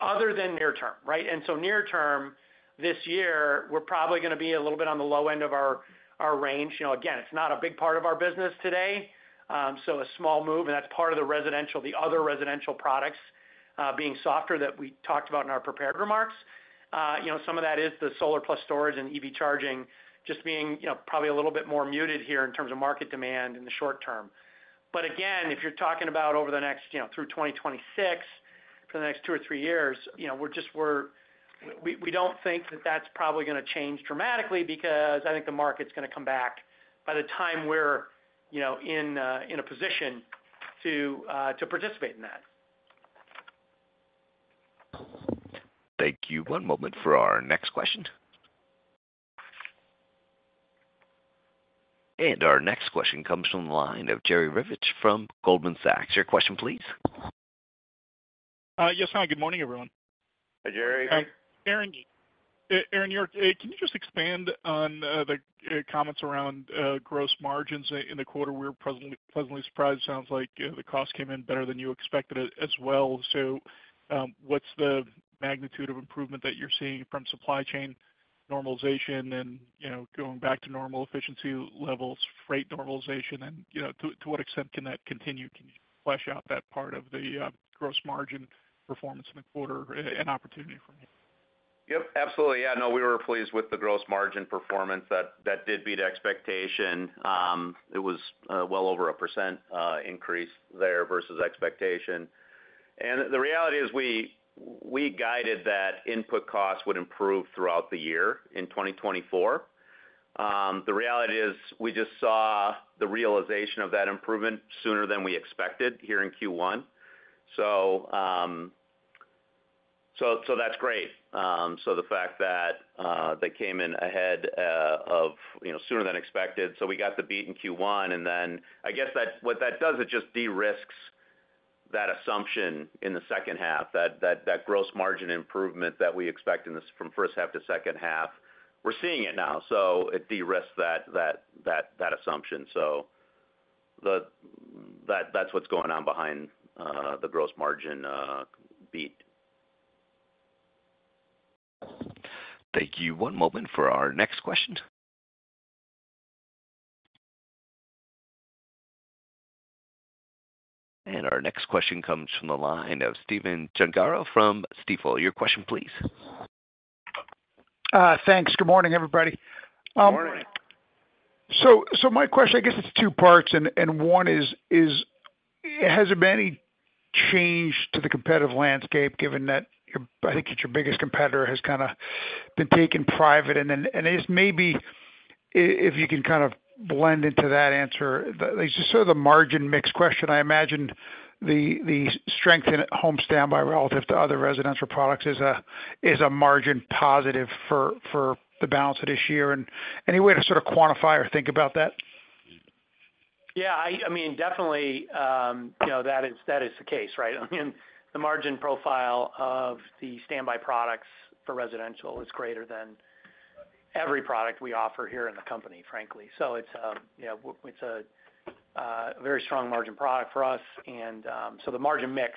Speaker 3: other than near term, right? And so near term this year, we're probably going to be a little bit on the low end of our range. Again, it's not a big part of our business today. So a small move. And that's part of the other residential products being softer that we talked about in our prepared remarks. Some of that is the solar plus storage and EV charging just being probably a little bit more muted here in terms of market demand in the short term. But again, if you're talking about over the next through 2026, for the next two or three years, we're just we don't think that that's probably going to change dramatically because I think the market's going to come back by the time we're in a position to participate in that.
Speaker 1: Thank you. One moment for our next question. And our next question comes from the line of Jerry Revich from Goldman Sachs. Your question, please.
Speaker 10: Yes, hi. Good morning, everyone.
Speaker 4: Hi, Jerry.
Speaker 10: Hi, Aaron. Aaron, can you just expand on the comments around gross margins in the quarter? We were pleasantly surprised. Sounds like the cost came in better than you expected as well. So what's the magnitude of improvement that you're seeing from supply chain normalization and going back to normal efficiency levels, freight normalization, and to what extent can that continue? Can you flesh out that part of the gross margin performance in the quarter and opportunity from here?
Speaker 4: Yep. Absolutely. Yeah. No, we were pleased with the gross margin performance. That did beat expectation. It was well over 1% increase there versus expectation. And the reality is we guided that input costs would improve throughout the year in 2024. The reality is we just saw the realization of that improvement sooner than we expected here in Q1. So that's great. So the fact that they came in ahead of sooner than expected. So we got the beat in Q1. And then I guess what that does, it just de-risks that assumption in the second half, that gross margin improvement that we expect from first half to second half. We're seeing it now. So it de-risks that assumption. So that's what's going on behind the gross margin beat.
Speaker 1: Thank you. One moment for our next question. Our next question comes from the line of Stephen Gengaro from Stifel. Your question, please.
Speaker 11: Thanks. Good morning, everybody.
Speaker 4: Good morning.
Speaker 11: So my question, I guess it's two parts. One is, has there been any change to the competitive landscape given that I think your biggest competitor has kind of been taken private? Then I guess maybe if you can kind of blend into that answer, just sort of the margin mix question. I imagine the strength in home standby relative to other residential products is a margin positive for the balance of this year. Any way to sort of quantify or think about that?
Speaker 3: Yeah. I mean, definitely, that is the case, right? I mean, the margin profile of the standby products for residential is greater than every product we offer here in the company, frankly. So it's a very strong margin product for us. And so the margin mix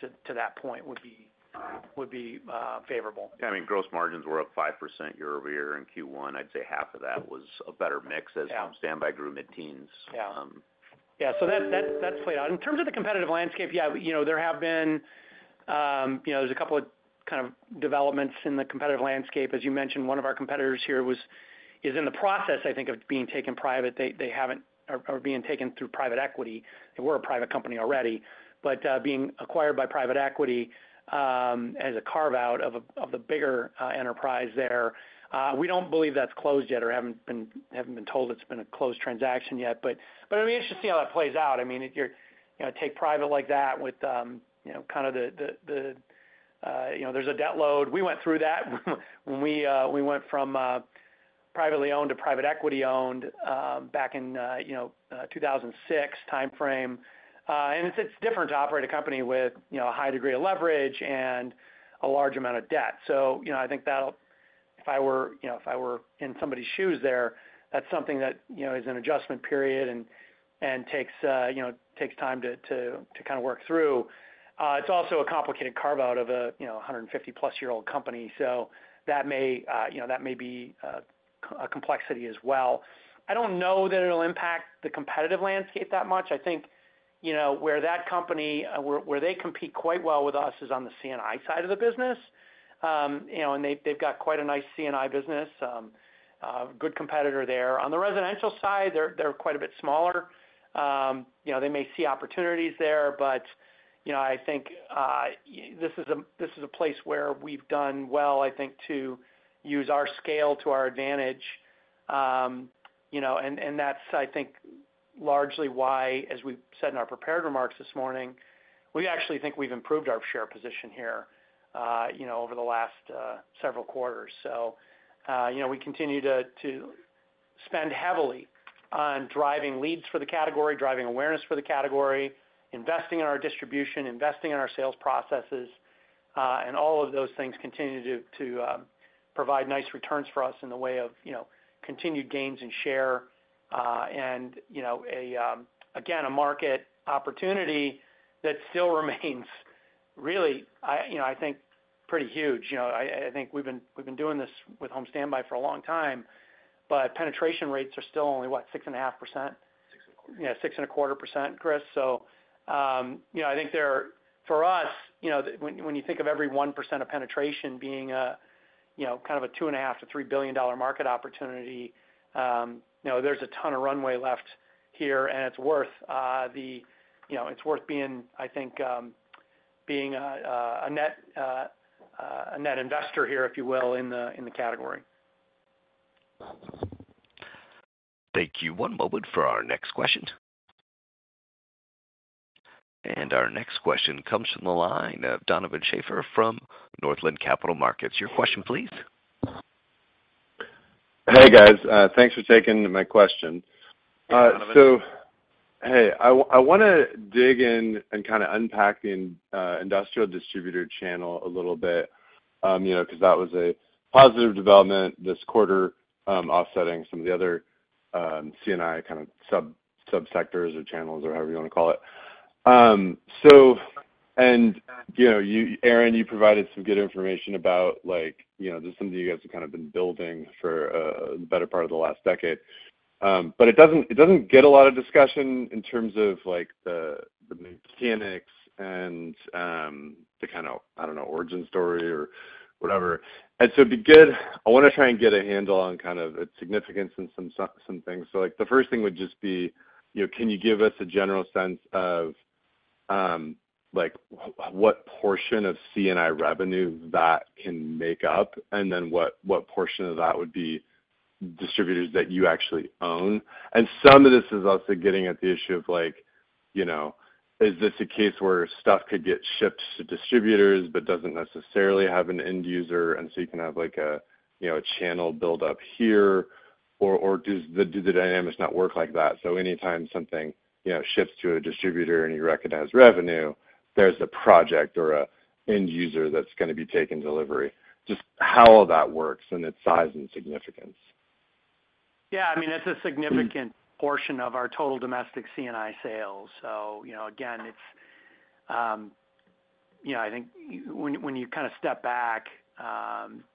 Speaker 3: to that point would be favorable.
Speaker 4: Yeah. I mean, gross margins were up 5% year-over-year in Q1. I'd say half of that was a better mix as home standby grew mid-teens.
Speaker 3: Yeah. Yeah. So that's played out. In terms of the competitive landscape, yeah, there have been a couple of kind of developments in the competitive landscape. As you mentioned, one of our competitors here is in the process, I think, of being taken private. They are being taken through private equity. They were a private company already. But being acquired by private equity as a carve-out of the bigger enterprise there, we don't believe that's closed yet or haven't been told it's been a closed transaction yet. But I mean, it's just seeing how that plays out. I mean, take private like that with kind of the debt load. We went through that when we went from privately owned to private equity owned back in 2006 time frame. It's different to operate a company with a high degree of leverage and a large amount of debt. So I think that'll if I were in somebody's shoes there, that's something that is an adjustment period and takes time to kind of work through. It's also a complicated carve-out of a 150+-year-old company. So that may be a complexity as well. I don't know that it'll impact the competitive landscape that much. I think where that company, where they compete quite well with us is on the C&I side of the business. And they've got quite a nice C&I business, good competitor there. On the residential side, they're quite a bit smaller. They may see opportunities there. But I think this is a place where we've done well, I think, to use our scale to our advantage. And that's, I think, largely why, as we said in our prepared remarks this morning, we actually think we've improved our share position here over the last several quarters. So we continue to spend heavily on driving leads for the category, driving awareness for the category, investing in our distribution, investing in our sales processes. And all of those things continue to provide nice returns for us in the way of continued gains in share and, again, a market opportunity that still remains really, I think, pretty huge. I think we've been doing this with home standby for a long time. But penetration rates are still only, what, 6.5%?
Speaker 4: 6.25.
Speaker 3: Yeah. 6.25%, increase. So I think for us, when you think of every 1% of penetration being kind of a $2.5 billion-$3 billion market opportunity, there's a ton of runway left here. And it's worth the it's worth being, I think, being a net investor here, if you will, in the category.
Speaker 1: Thank you. One moment for our next question. Our next question comes from the line of Donovan Schafer from Northland Capital Markets. Your question, please.
Speaker 12: Hey, guys. Thanks for taking my question. So, hey, I want to dig in and kind of unpack the industrial distributor channel a little bit because that was a positive development this quarter, offsetting some of the other C&I kind of subsectors or channels or however you want to call it. And, Aaron, you provided some good information about this is something you guys have kind of been building for the better part of the last decade. But it doesn't get a lot of discussion in terms of the mechanics and the kind of, I don't know, origin story or whatever. And so I want to try and get a handle on kind of its significance and some things. So the first thing would just be, can you give us a general sense of what portion of C&I revenue that can make up and then what portion of that would be distributors that you actually own? And some of this is also getting at the issue of, is this a case where stuff could get shipped to distributors but doesn't necessarily have an end user? And so you can have a channel buildup here. Or do the dynamics not work like that? So anytime something ships to a distributor and you recognize revenue, there's a project or an end user that's going to be taken delivery. Just how all that works and its size and significance?
Speaker 3: Yeah. I mean, it's a significant portion of our total domestic C&I sales. So, again, it's, I think, when you kind of step back,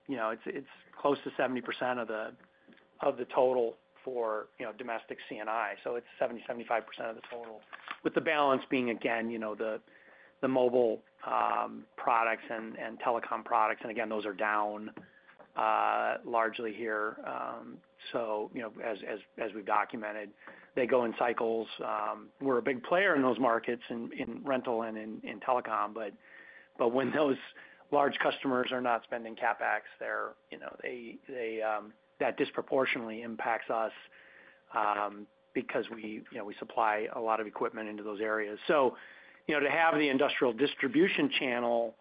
Speaker 3: it's close to 70% of the total for domestic C&I. So it's 70%-75% of the total, with the balance being, again, the mobile products and telecom products. And, again, those are down largely here. So, as we've documented, they go in cycles. We're a big player in those markets in rental and in telecom. But when those large customers are not spending CapEx, that disproportionately impacts us because we supply a lot of equipment into those areas. So to have the industrial distribution channel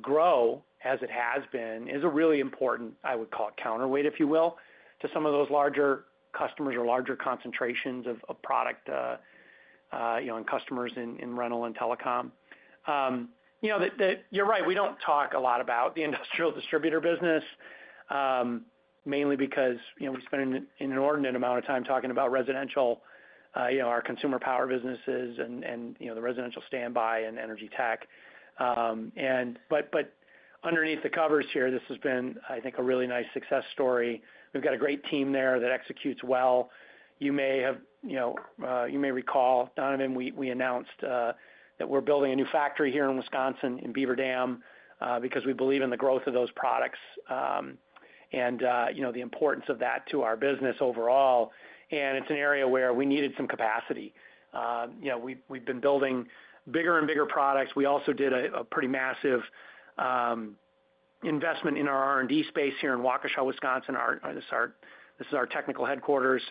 Speaker 3: grow as it has been is a really important, I would call it, counterweight, if you will, to some of those larger customers or larger concentrations of product and customers in rental and telecom. You're right. We don't talk a lot about the industrial distributor business, mainly because we spend an inordinate amount of time talking about residential, our consumer power businesses, and the residential standby and energy tech. But underneath the covers here, this has been, I think, a really nice success story. We've got a great team there that executes well. You may recall, Donovan, we announced that we're building a new factory here in Wisconsin in Beaver Dam because we believe in the growth of those products and the importance of that to our business overall. And it's an area where we needed some capacity. We've been building bigger and bigger products. We also did a pretty massive investment in our R&D space here in Waukesha, Wisconsin. This is our technical headquarters,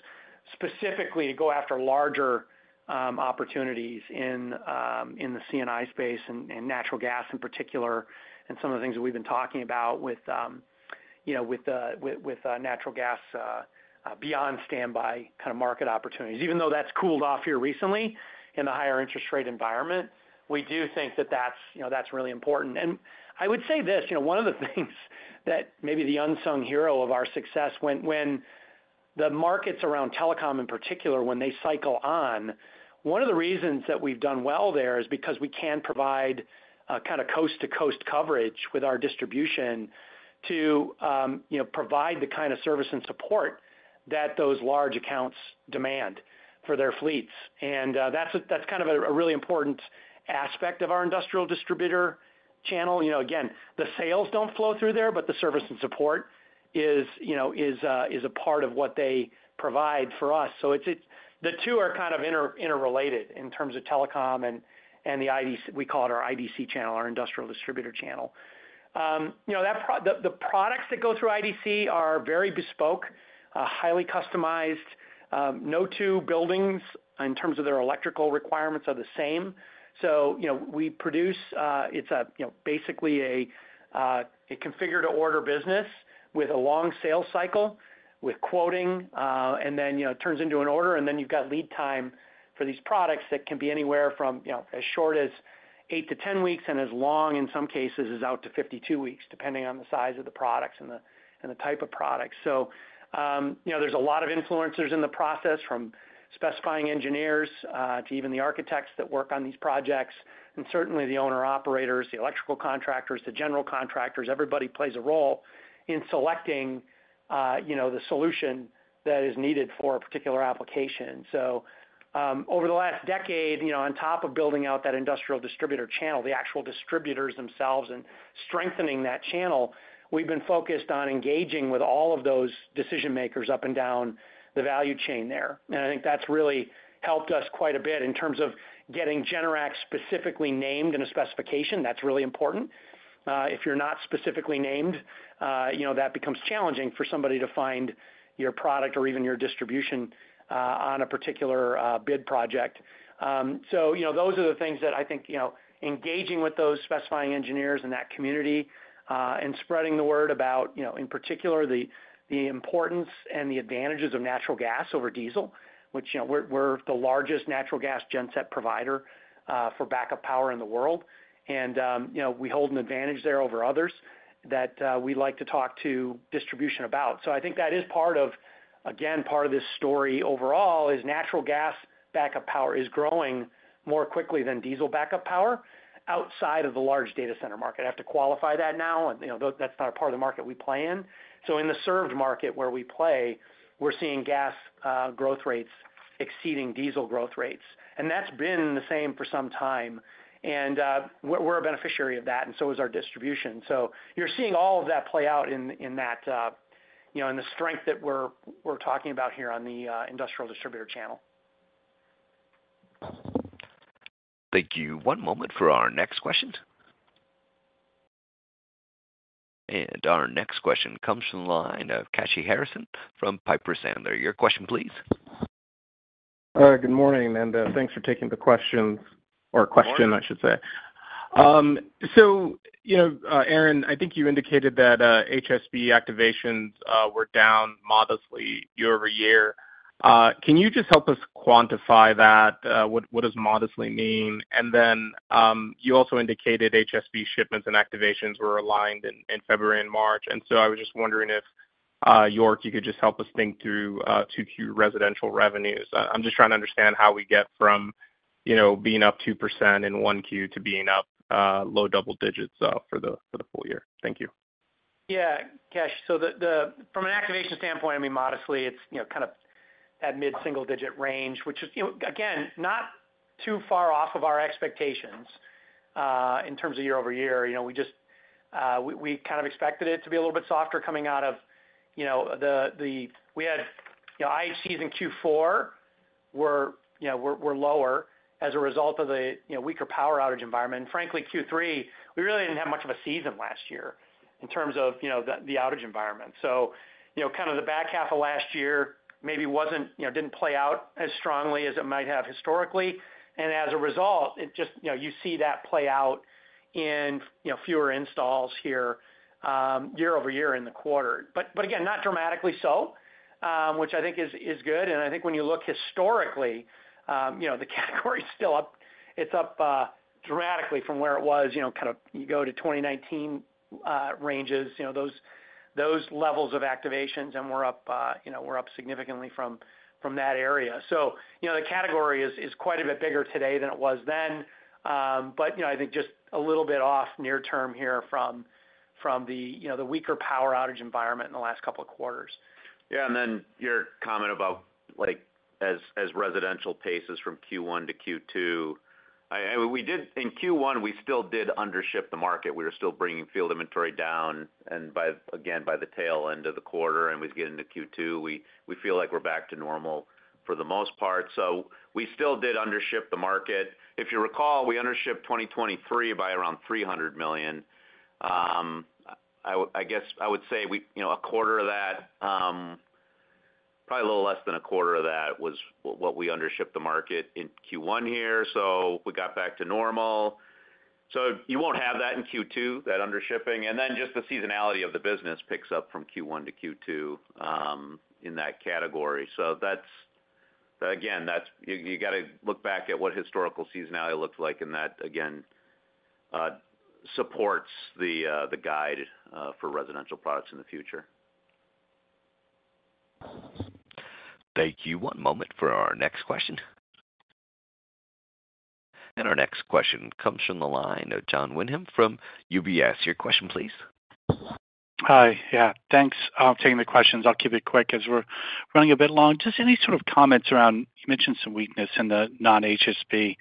Speaker 3: specifically to go after larger opportunities in the C&I space and natural gas in particular and some of the things that we've been talking about with natural gas beyond standby kind of market opportunities. Even though that's cooled off here recently in the higher interest rate environment, we do think that that's really important. And I would say this. One of the things that maybe the unsung hero of our success, when the markets around telecom in particular, when they cycle on, one of the reasons that we've done well there is because we can provide kind of coast-to-coast coverage with our distribution to provide the kind of service and support that those large accounts demand for their fleets. And that's kind of a really important aspect of our industrial distributor channel. Again, the sales don't flow through there, but the service and support is a part of what they provide for us. So the two are kind of interrelated in terms of telecom and the IDC we call it our IDC channel, our industrial distributor channel. The products that go through IDC are very bespoke, highly customized. No two buildings in terms of their electrical requirements are the same. So we produce it's basically a configured-to-order business with a long sale cycle with quoting and then it turns into an order. And then you've got lead time for these products that can be anywhere from as short as 8-10 weeks and as long, in some cases, as out to 52 weeks, depending on the size of the products and the type of products. So there's a lot of influencers in the process from specifying engineers to even the architects that work on these projects and certainly the owner-operators, the electrical contractors, the general contractors. Everybody plays a role in selecting the solution that is needed for a particular application. So over the last decade, on top of building out that industrial distributor channel, the actual distributors themselves and strengthening that channel, we've been focused on engaging with all of those decision-makers up and down the value chain there. And I think that's really helped us quite a bit in terms of getting Generac specifically named in a specification. That's really important. If you're not specifically named, that becomes challenging for somebody to find your product or even your distribution on a particular bid project. So those are the things that I think engaging with those specifying engineers and that community and spreading the word about, in particular, the importance and the advantages of natural gas over diesel, which we're the largest natural gas genset provider for backup power in the world. And we hold an advantage there over others that we'd like to talk to distribution about. So I think that is part of, again, part of this story overall is natural gas backup power is growing more quickly than diesel backup power outside of the large data center market. I have to qualify that now. And that's not a part of the market we play in. So in the served market where we play, we're seeing gas growth rates exceeding diesel growth rates. And that's been the same for some time. And we're a beneficiary of that. And so is our distribution. So you're seeing all of that play out in that the strength that we're talking about here on the industrial distributor channel.
Speaker 1: Thank you. One moment for our next question. Our next question comes from the line of Kashy Harrison from Piper Sandler. Your question, please.
Speaker 13: Good morning. Thanks for taking the questions or question, I should say. So, Aaron, I think you indicated that HSB activations were down modestly year-over-year. Can you just help us quantify that? What does modestly mean? And then you also indicated HSB shipments and activations were aligned in February and March. And so I was just wondering if, York, you could just help us think through Q2 residential revenues. I'm just trying to understand how we get from being up 2% in 1Q to being up low double digits for the full year. Thank you.
Speaker 3: Yeah, Kash. So from an activation standpoint, I mean, modestly, it's kind of that mid-single-digit range, which is, again, not too far off of our expectations in terms of year-over-year. We just kind of expected it to be a little bit softer coming out of the, we had IHCs in Q4 were lower as a result of the weaker power outage environment. And, frankly, Q3, we really didn't have much of a season last year in terms of the outage environment. So kind of the back half of last year maybe didn't play out as strongly as it might have historically. And as a result, you see that play out in fewer installs here year-over-year in the quarter. But, again, not dramatically so, which I think is good. And I think when you look historically, the category is still up. It's up dramatically from where it was. Kind of you go to 2019 ranges, those levels of activations, and we're up significantly from that area. So the category is quite a bit bigger today than it was then. But I think just a little bit off near-term here from the weaker power outage environment in the last couple of quarters.
Speaker 4: Yeah. And then your comment about our residential sales from Q1 to Q2. I mean, we did in Q1, we still did undership the market. We were still bringing field inventory down, again, by the tail end of the quarter. And we get into Q2, we feel like we're back to normal for the most part. So we still did undership the market. If you recall, we undershipped 2023 by around $300 million. I guess I would say a quarter of that probably a little less than a quarter of that was what we undershipped the market in Q1 here. So we got back to normal. So you won't have that in Q2, that undershipping. And then just the seasonality of the business picks up from Q1 to Q2 in that category. So, again, you got to look back at what historical seasonality looked like. That, again, supports the guide for residential products in the future.
Speaker 1: Thank you. One moment for our next question. Our next question comes from the line of Jon Windham from UBS. Your question, please.
Speaker 14: Hi. Yeah. Thanks for taking the questions. I'll keep it quick as we're running a bit long. Just any sort of comments around you mentioned some weakness in the non-HSB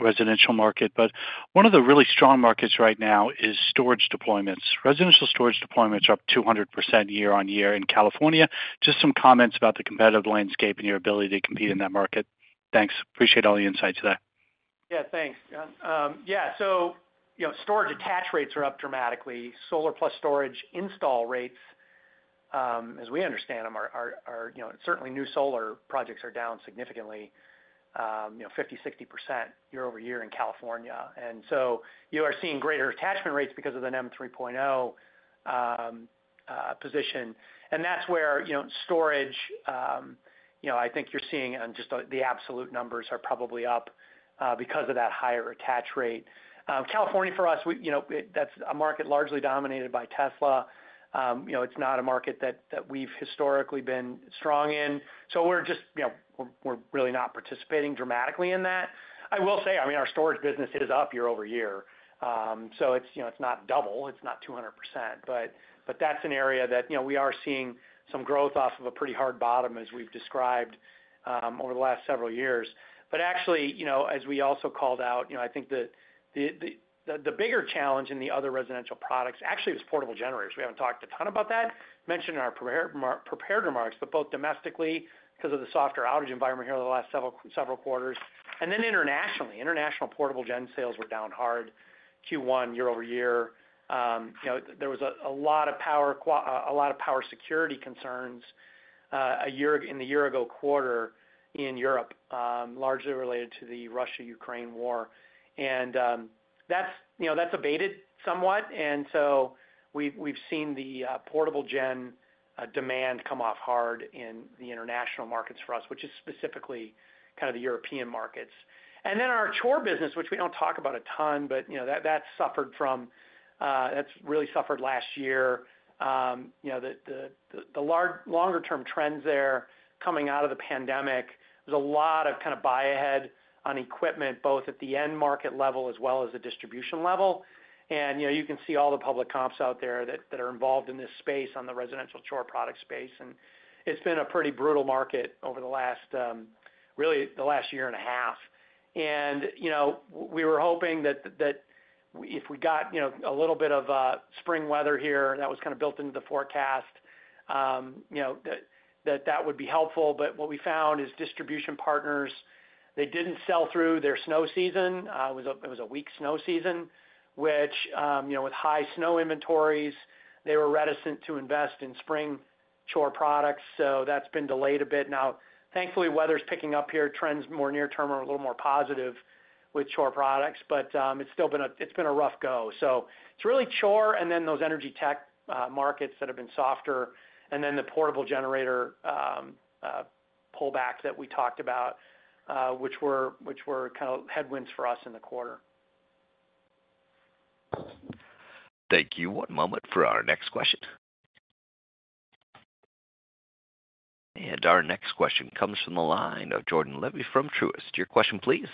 Speaker 14: residential market. But one of the really strong markets right now is storage deployments. Residential storage deployments are up 200% year-over-year in California. Just some comments about the competitive landscape and your ability to compete in that market. Thanks. Appreciate all the insights today.
Speaker 3: Yeah. Thanks, John. Yeah. So storage attach rates are up dramatically. Solar plus storage install rates, as we understand them, are certainly new solar projects are down significantly, 50%-60% year-over-year in California. And so you are seeing greater attachment rates because of the NEM 3.0 position. And that's where storage, I think you're seeing on just the absolute numbers are probably up because of that higher attach rate. California for us, that's a market largely dominated by Tesla. It's not a market that we've historically been strong in. So we're just we're really not participating dramatically in that. I will say, I mean, our storage business is up year-over-year. So it's not double. It's not 200%. But that's an area that we are seeing some growth off of a pretty hard bottom as we've described over the last several years. But actually, as we also called out, I think the bigger challenge in the other residential products actually was portable generators. We haven't talked a ton about that, mentioned in our prepared remarks, but both domestically because of the softer outage environment here over the last several quarters, and then internationally. International portable gen sales were down hard Q1 year-over-year. There was a lot of power security concerns in the year-ago quarter in Europe, largely related to the Russia-Ukraine war. And that's abated somewhat. And so we've seen the portable gen demand come off hard in the international markets for us, which is specifically kind of the European markets. And then our Chore business, which we don't talk about a ton, but that suffered. That's really suffered last year. The longer-term trends there coming out of the pandemic, there's a lot of kind of buy-ahead on equipment, both at the end market level as well as the distribution level. You can see all the public comps out there that are involved in this space on the residential Chore product space. It's been a pretty brutal market over the last really the last year and a half. We were hoping that if we got a little bit of spring weather here that was kind of built into the forecast, that that would be helpful. But what we found is distribution partners, they didn't sell through their snow season. It was a weak snow season, which with high snow inventories, they were reticent to invest in spring Chore products. That's been delayed a bit. Now, thankfully, weather's picking up here. Trends more near-term are a little more positive with Chore products. But it's still been a rough go. So it's really Chore and then those energy tech markets that have been softer and then the portable generator pullback that we talked about, which were kind of headwinds for us in the quarter.
Speaker 1: Thank you. One moment for our next question. Our next question comes from the line of Jordan Levy from Truist. Your question, please.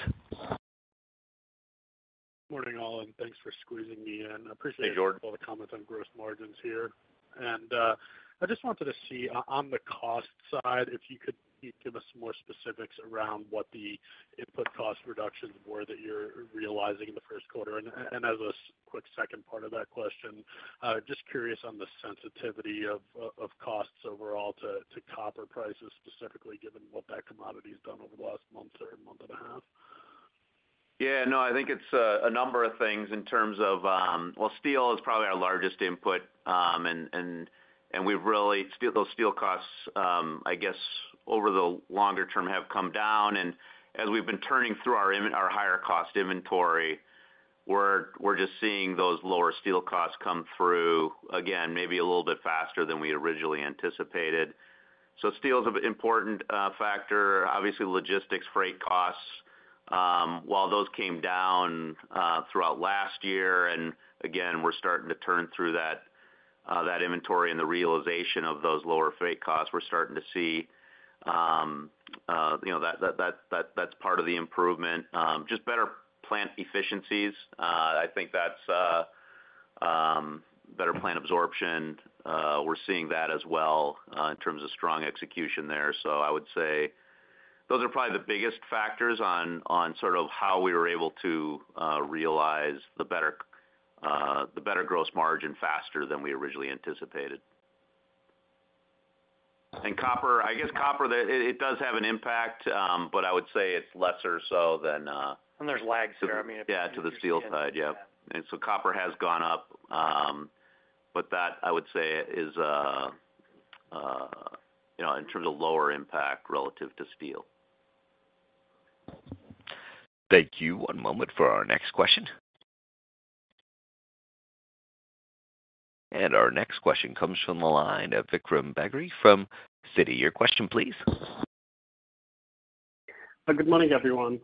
Speaker 15: Morning, Aaron. Thanks for squeezing me in. I appreciate all the comments on gross margins here. I just wanted to see on the cost side, if you could give us more specifics around what the input cost reductions were that you're realizing in the first quarter. As a quick second part of that question, just curious on the sensitivity of costs overall to copper prices, specifically given what that commodity has done over the last month or month and a half.
Speaker 4: Yeah. No, I think it's a number of things in terms of well, steel is probably our largest input. And those steel costs, I guess, over the longer term have come down. And as we've been turning through our higher-cost inventory, we're just seeing those lower steel costs come through, again, maybe a little bit faster than we originally anticipated. So steel is an important factor. Obviously, logistics, freight costs. While those came down throughout last year and, again, we're starting to turn through that inventory and the realization of those lower freight costs, we're starting to see that's part of the improvement. Just better plant efficiencies. I think that's better plant absorption. We're seeing that as well in terms of strong execution there. So I would say those are probably the biggest factors on sort of how we were able to realize the better gross margin faster than we originally anticipated. And copper, I guess copper, it does have an impact, but I would say it's less or so than.
Speaker 3: There's lags there. I mean.
Speaker 4: Yeah, to the steel side. Yeah. And so copper has gone up. But that, I would say, is in terms of lower impact relative to steel.
Speaker 1: Thank you. One moment for our next question. Our next question comes from the line of Vikram Bagri from Citi. Your question, please.
Speaker 16: Good morning, everyone.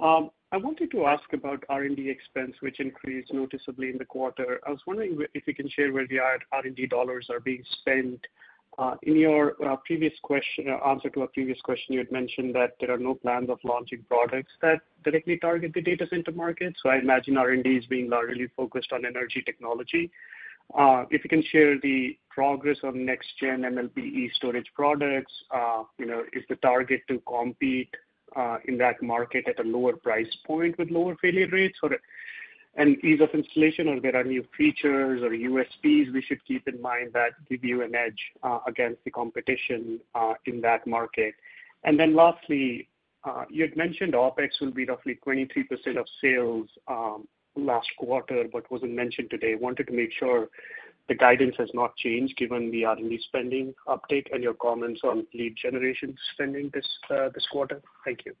Speaker 16: I wanted to ask about R&D expense, which increased noticeably in the quarter. I was wondering if you can share where the R&D dollars are being spent. In your answer to a previous question, you had mentioned that there are no plans of launching products that directly target the data center market. So I imagine R&D is being largely focused on energy technology. If you can share the progress on next-gen MLBE storage products, is the target to compete in that market at a lower price point with lower failure rates and ease of installation, or there are new features or USPs we should keep in mind that give you an edge against the competition in that market? And then lastly, you had mentioned OpEx will be roughly 23% of sales last quarter but wasn't mentioned today. Wanted to make sure the guidance has not changed given the R&D spending update and your comments on lead generation spending this quarter. Thank you.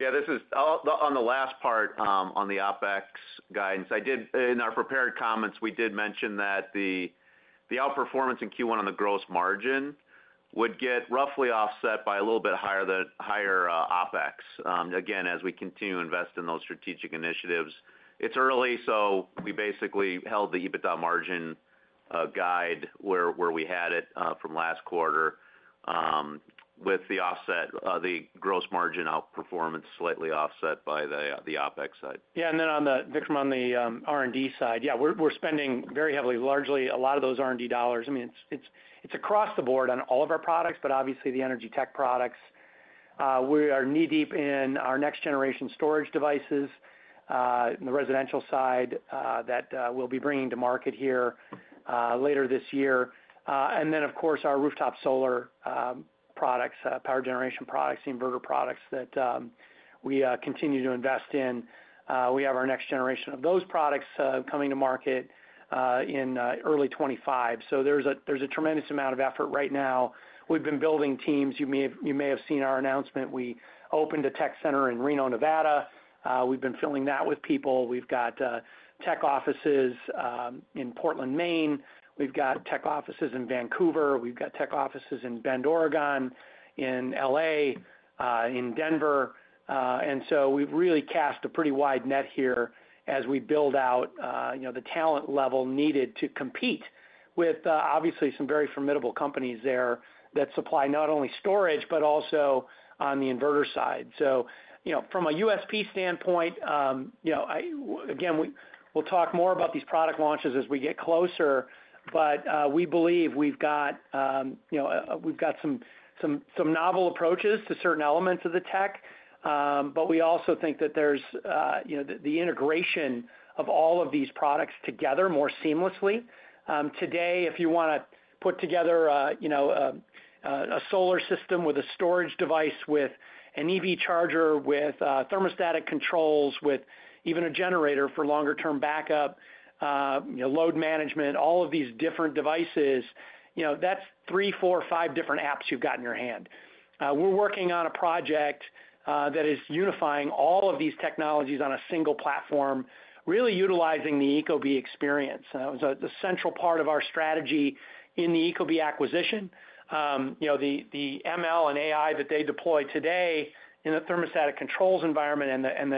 Speaker 4: Yeah. On the last part, on the OpEx guidance, in our prepared comments, we did mention that the outperformance in Q1 on the gross margin would get roughly offset by a little bit higher OpEx. Again, as we continue to invest in those strategic initiatives, it's early. So we basically held the EBITDA margin guide where we had it from last quarter with the gross margin outperformance slightly offset by the OpEx side.
Speaker 3: Yeah. And then Vikram, on the R&D side, yeah, we're spending very heavily, largely a lot of those R&D dollars. I mean, it's across the board on all of our products, but obviously, the energy tech products. We are knee-deep in our next-generation storage devices on the residential side that we'll be bringing to market here later this year. And then, of course, our rooftop solar products, power generation products, inverter products that we continue to invest in. We have our next generation of those products coming to market in early 2025. So there's a tremendous amount of effort right now. We've been building teams. You may have seen our announcement. We opened a tech center in Reno, Nevada. We've been filling that with people. We've got tech offices in Portland, Maine. We've got tech offices in Vancouver. We've got tech offices in Bend, Oregon, in LA, in Denver. We've really cast a pretty wide net here as we build out the talent level needed to compete with, obviously, some very formidable companies there that supply not only storage but also on the inverter side. From a USP standpoint, again, we'll talk more about these product launches as we get closer. We believe we've got some novel approaches to certain elements of the tech. We also think that there's the integration of all of these products together more seamlessly. Today, if you want to put together a solar system with a storage device with an EV charger with thermostatic controls, with even a generator for longer-term backup, load management, all of these different devices, that's three, four, five different apps you've got in your hand. We're working on a project that is unifying all of these technologies on a single platform, really utilizing the Ecobee experience. That was a central part of our strategy in the Ecobee acquisition. The ML and AI that they deploy today in the thermostatic controls environment and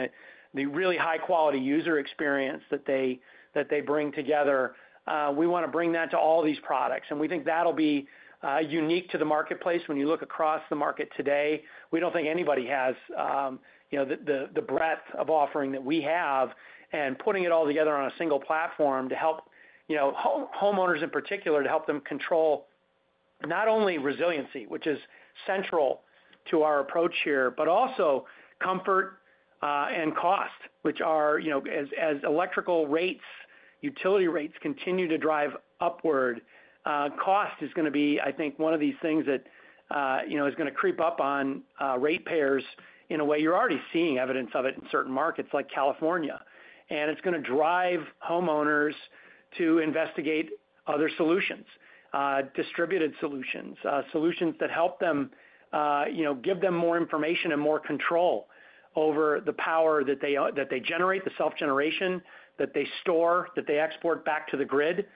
Speaker 3: the really high-quality user experience that they bring together, we want to bring that to all these products. And we think that'll be unique to the marketplace. When you look across the market today, we don't think anybody has the breadth of offering that we have and putting it all together on a single platform to help homeowners, in particular, to help them control not only resiliency, which is central to our approach here, but also comfort and cost, which are as electrical rates, utility rates continue to drive upward, cost is going to be, I think, one of these things that is going to creep up on rate payers in a way you're already seeing evidence of it in certain markets like California. It's going to drive homeowners to investigate other solutions, distributed solutions, solutions that help them give them more information and more control over the power that they generate, the self-generation that they store, that they export back to the grid,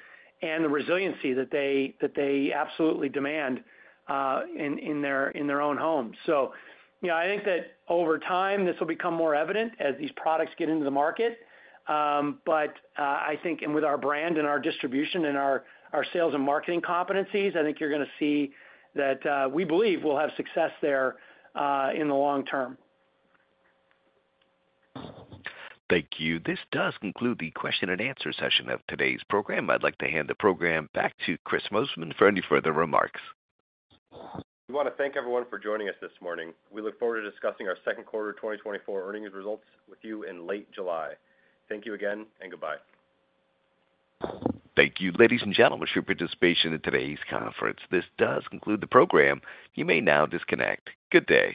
Speaker 3: and the resiliency that they absolutely demand in their own homes. So I think that over time, this will become more evident as these products get into the market. But I think and with our brand and our distribution and our sales and marketing competencies, I think you're going to see that we believe we'll have success there in the long term.
Speaker 1: Thank you. This does conclude the question and answer session of today's program. I'd like to hand the program back to Kris Rosemann for any further remarks.
Speaker 2: We want to thank everyone for joining us this morning. We look forward to discussing our second quarter 2024 earnings results with you in late July. Thank you again, and goodbye.
Speaker 1: Thank you, ladies and gentlemen, for your participation in today's conference. This does conclude the program. You may now disconnect. Good day.